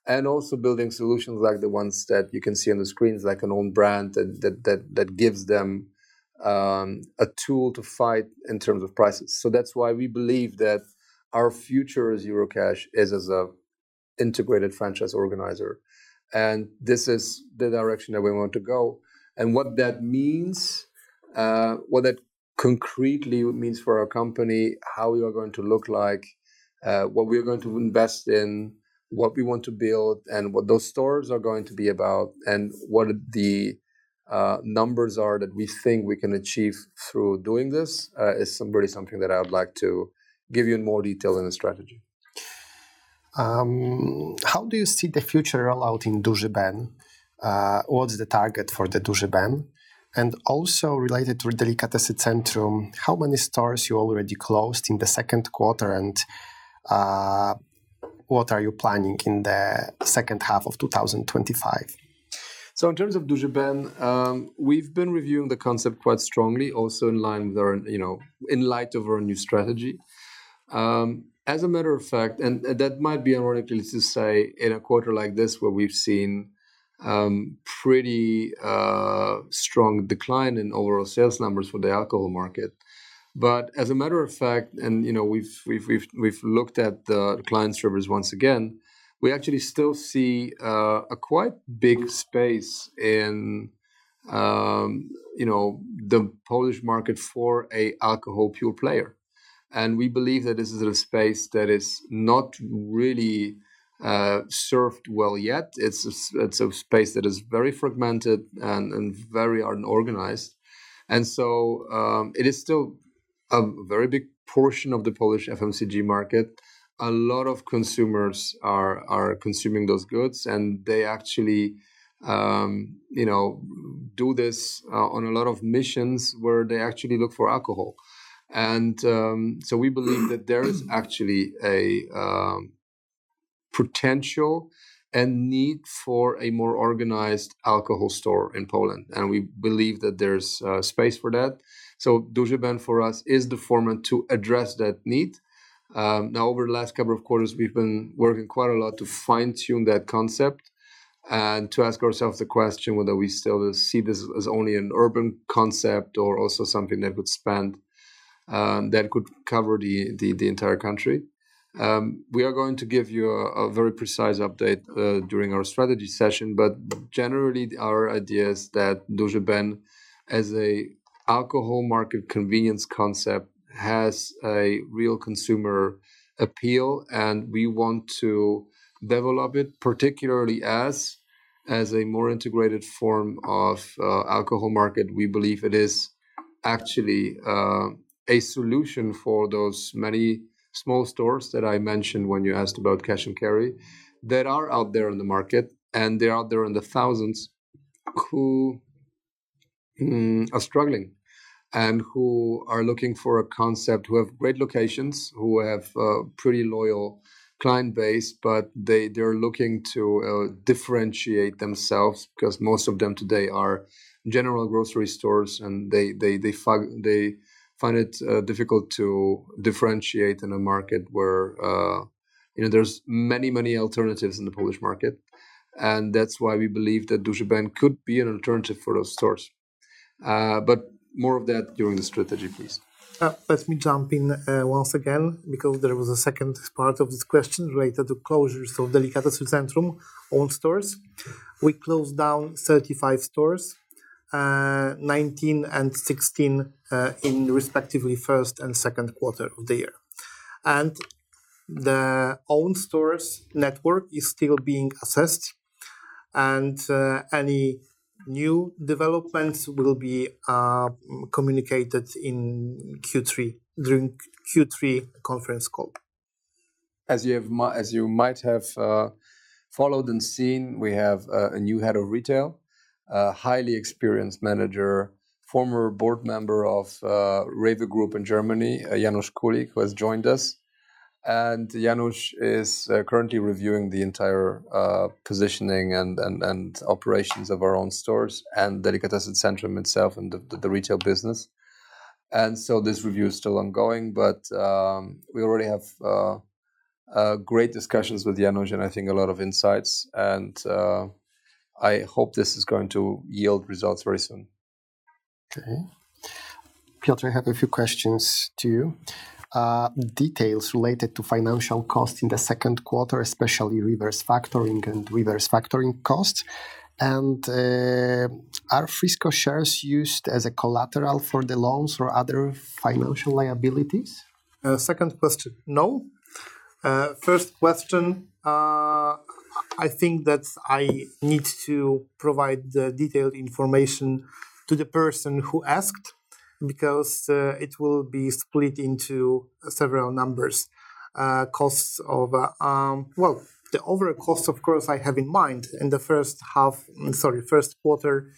and also building solutions like the ones that you can see on the screens like an own brand that gives them a tool to fight in terms of prices. So that's why we believe that our future as Eurocash is as an integrated franchise organizer. And this is the direction that we want to go. And what that means, what that concretely means for our company, how we are going to look like, what we are going to invest in, what we want to build, and what those stores are going to be about, and what the numbers are that we think we can achieve through doing this is really something that I would like to give you in more detail in the strategy. How do you see the future rollout in Duży Ben? What's the target for the Duży Ben? And also related to the Delikatesy Centrum, how many stores you already closed in the second quarter? And what are you planning in the second half of 2025? In terms of Duży Ben, we've been reviewing the concept quite strongly, also in line with, in light of our new strategy. As a matter of fact, and that might be ironic to say in a quarter like this where we've seen pretty strong decline in overall sales numbers for the alcohol market. But as a matter of fact, and we've looked at the client base once again, we actually still see a quite big space in the Polish market for an alcohol pure player. And we believe that this is a space that is not really served well yet. It's a space that is very fragmented and very unorganized. And so it is still a very big portion of the Polish FMCG market. A lot of consumers are consuming those goods. And they actually do this on a lot of missions where they actually look for alcohol. We believe that there is actually a potential and need for a more organized alcohol store in Poland. We believe that there's space for that. Duży Ben for us is the format to address that need. Now, over the last couple of quarters, we've been working quite a lot to fine-tune that concept and to ask ourselves the question whether we still see this as only an urban concept or also something that would expand that could cover the entire country. We are going to give you a very precise update during our strategy session. Generally, our idea is that Duży Ben as an alcohol market convenience concept has a real consumer appeal. We want to develop it, particularly as a more integrated form of alcohol market. We believe it is actually a solution for those many small stores that I mentioned when you asked about Cash & Carry that are out there in the market. And they are out there in the thousands who are struggling and who are looking for a concept who have great locations, who have a pretty loyal client base, but they're looking to differentiate themselves because most of them today are general grocery stores. And they find it difficult to differentiate in a market where there's many, many alternatives in the Polish market. And that's why we believe that Duży Ben could be an alternative for those stores. But more of that during the strategy, please. Let me jump in once again because there was a second part of this question related to closures of the Delikatesy Centrum owned stores. We closed down 35 stores, 19 and 16 in respectively first and second quarter of the year. The owned stores network is still being assessed. Any new developments will be communicated in Q3 during Q3 conference call. As you might have followed and seen, we have a new head of Retail, a highly experienced manager, former board member of REWE Group in Germany, Janusz Kulik, who has joined us. Janusz is currently reviewing the entire positioning and operations of our own stores and the Delikatesy Centrum itself and the Retail business. This review is still ongoing. We already have great discussions with Janusz and I think a lot of insights. I hope this is going to yield results very soon. Okay. Piotr, I have a few questions to you. Details related to financial costs in the second quarter, especially reverse factoring and reverse factoring costs. And are Frisco shares used as a collateral for the loans or other financial liabilities? Second question, no. First question, I think that I need to provide the detailed information to the person who asked because it will be split into several numbers. Costs of, well, the overall cost, of course, I have in mind. In the first half, sorry, first quarter,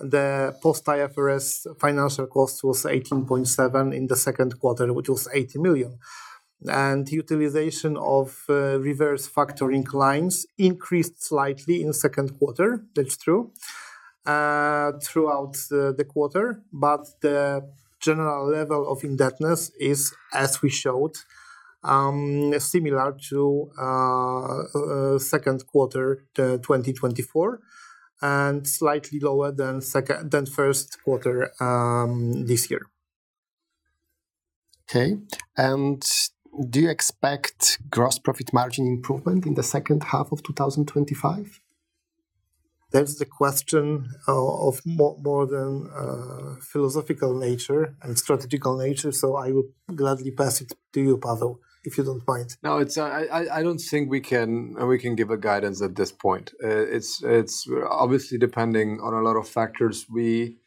the post-IFRS financial cost was 18.7 million in the second quarter, which was 18 million. And utilization of reverse factoring lines increased slightly in the second quarter. That's true throughout the quarter. But the general level of indebtedness is, as we showed, similar to second quarter 2024 and slightly lower than first quarter this year. Okay. And do you expect gross profit margin improvement in the second half of 2025? That's the question of more than philosophical nature and strategic nature. So I will gladly pass it to you, Paweł, if you don't mind. No, I don't think we can give a guidance at this point. It's obviously depending on a lot of factors. We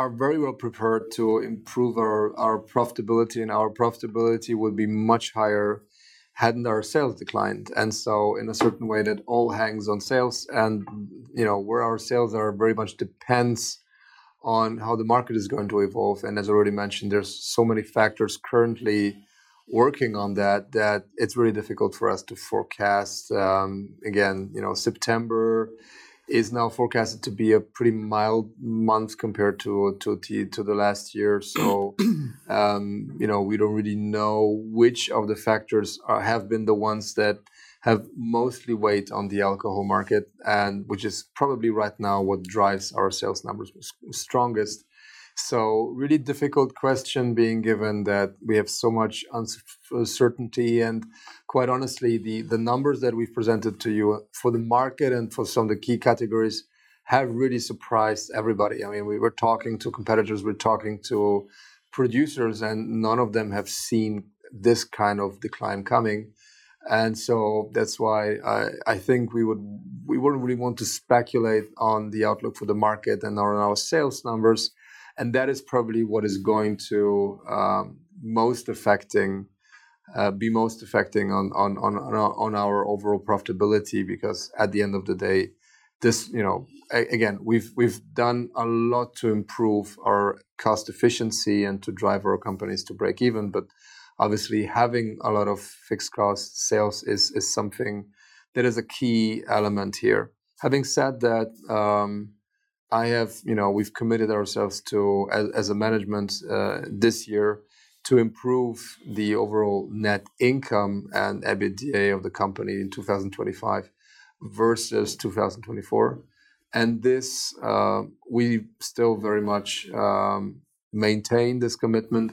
are very well prepared to improve our profitability, and our profitability would be much higher hadn't our sales declined, and so in a certain way, that all hangs on sales. And where our sales are very much depends on how the market is going to evolve. And as I already mentioned, there's so many factors currently working on that that it's very difficult for us to forecast. Again, September is now forecasted to be a pretty mild month compared to the last year. So we don't really know which of the factors have been the ones that have mostly weighed on the alcohol market, which is probably right now what drives our sales numbers strongest. So really difficult question being given that we have so much uncertainty. And quite honestly, the numbers that we've presented to you for the market and for some of the key categories have really surprised everybody. I mean, we were talking to competitors. We're talking to producers, and none of them have seen this kind of decline coming. And so that's why I think we wouldn't really want to speculate on the outlook for the market and our sales numbers. And that is probably what is going to be most affecting on our overall profitability because at the end of the day, again, we've done a lot to improve our cost efficiency and to drive our companies to break even. But obviously, having a lot of fixed cost sales is something that is a key element here. Having said that, we've committed ourselves as a management this year to improve the overall net income and EBITDA of the company in 2025 versus 2024. And we still very much maintain this commitment.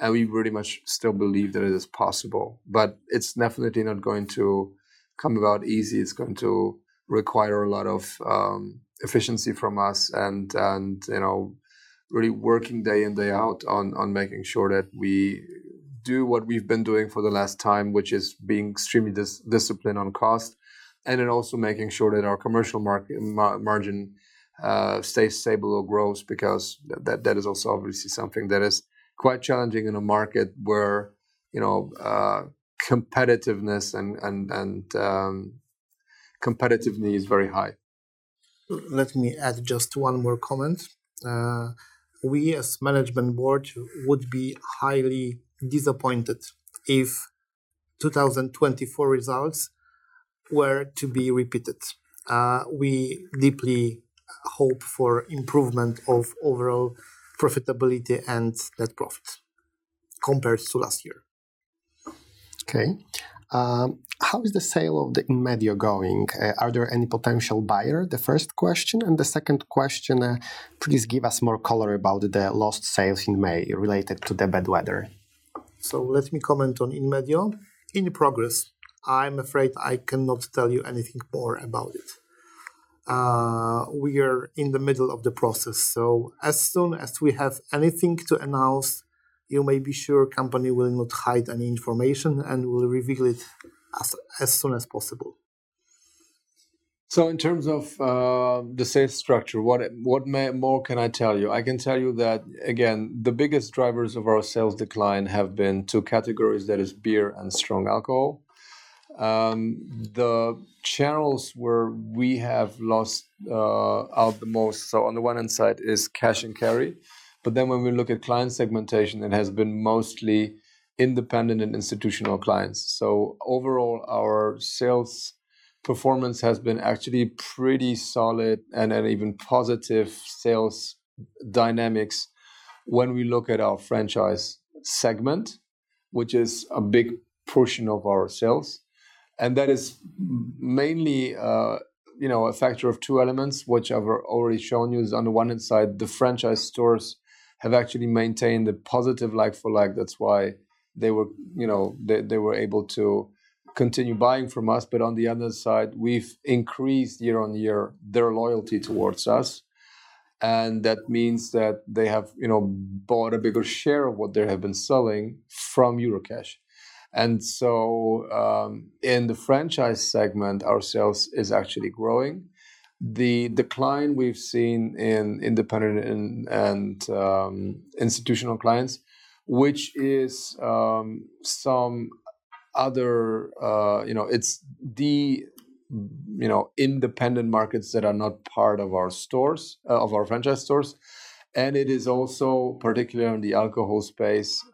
And we pretty much still believe that it is possible. But it's definitely not going to come about easy. It's going to require a lot of efficiency from us and really working day in, day out on making sure that we do what we've been doing for the last time, which is being extremely disciplined on cost and then also making sure that our commercial margin stays stable or grows because that is also obviously something that is quite challenging in a market where competitiveness and competitiveness is very high. Let me add just one more comment. We, as Management Board, would be highly disappointed if 2024 results were to be repeated. We deeply hope for improvement of overall profitability and net profit compared to last year. Okay. How is the sale of the Inmedio going? Are there any potential buyers? The first question. And the second question, please give us more color about the lost sales in May related to the bad weather. Let me comment on Inmedio. In progress. I'm afraid I cannot tell you anything more about it. We are in the middle of the process. As soon as we have anything to announce, you may be sure the company will not hide any information and will reveal it as soon as possible. In terms of the sales structure, what more can I tell you? I can tell you that, again, the biggest drivers of our sales decline have been two categories. That is beer and strong alcohol. The channels where we have lost out the most, so on the one hand side is Cash & Carry. But then when we look at client segmentation, it has been mostly independent and institutional clients. Overall, our sales performance has been actually pretty solid and even positive sales dynamics when we look at our franchise segment, which is a big portion of our sales. That is mainly a factor of two elements, which I've already shown you. On the one hand side, the franchise stores have actually maintained the positive like-for-like. That's why they were able to continue buying from us. On the other side, we've increased year-on-year their loyalty towards us. That means that they have bought a bigger share of what they have been selling from Eurocash. In the franchise segment, our sales is actually growing. The decline we've seen in independent and institutional clients, which is some other. It's the independent markets that are not part of our stores, of our franchise stores. It is also, particularly in the alcohol space,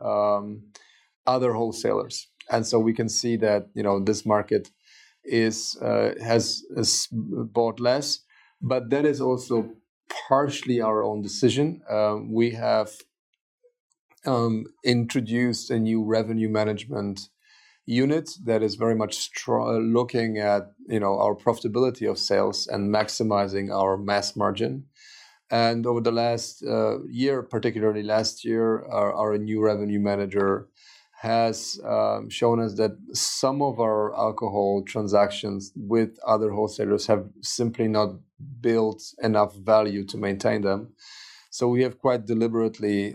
other wholesalers. We can see that this market has bought less. That is also partially our own decision. We have introduced a new revenue management unit that is very much looking at our profitability of sales and maximizing our gross margin. Over the last year, particularly last year, our new revenue manager has shown us that some of our alcohol transactions with other wholesalers have simply not built enough value to maintain them. We have quite deliberately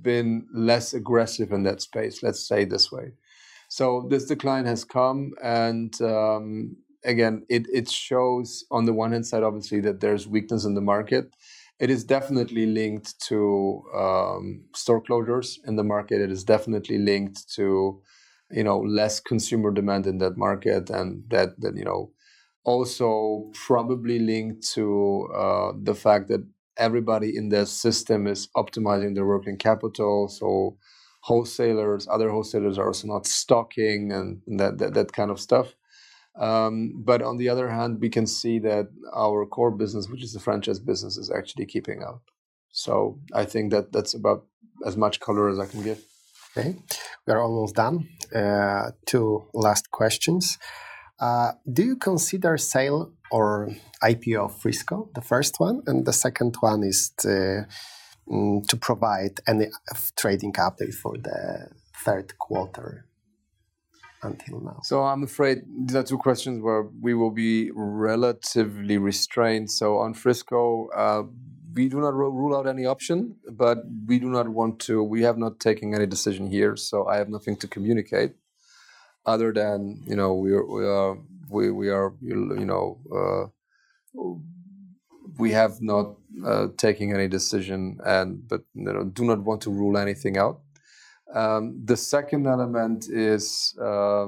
been less aggressive in that space, let's say it this way. This decline has come. Again, it shows, on the one hand side, obviously, that there's weakness in the market. It is definitely linked to store closures in the market. It is definitely linked to less consumer demand in that market and also probably linked to the fact that everybody in the system is optimizing their working capital. So wholesalers, other wholesalers are also not stocking and that kind of stuff. But on the other hand, we can see that our core business, which is the franchise business, is actually keeping up. So I think that that's about as much color as I can give. Okay. We are almost done. Two last questions. Do you consider sale or IPO of Frisco, the first one? And the second one is to provide any trading update for the third quarter until now? So I'm afraid the two questions where we will be relatively restrained. So on Frisco, we do not rule out any option, but we do not want to. We have not taken any decision here. So I have nothing to communicate other than we have not taken any decision, but do not want to rule anything out. The second element is, as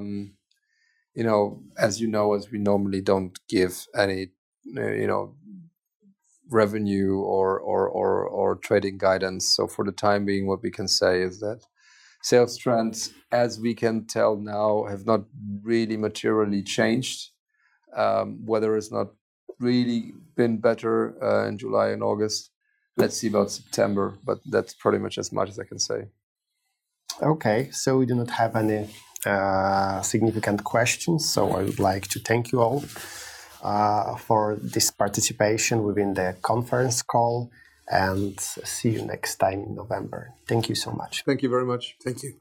you know, we normally don't give any revenue or trading guidance. So for the time being, what we can say is that sales trends, as we can tell now, have not really materially changed. Weather has not really been better in July and August. Let's see about September, but that's pretty much as much as I can say. Okay. So we do not have any significant questions. So I would like to thank you all for this participation within the conference call and see you next time in November. Thank you so much. Thank you very much. Thank you.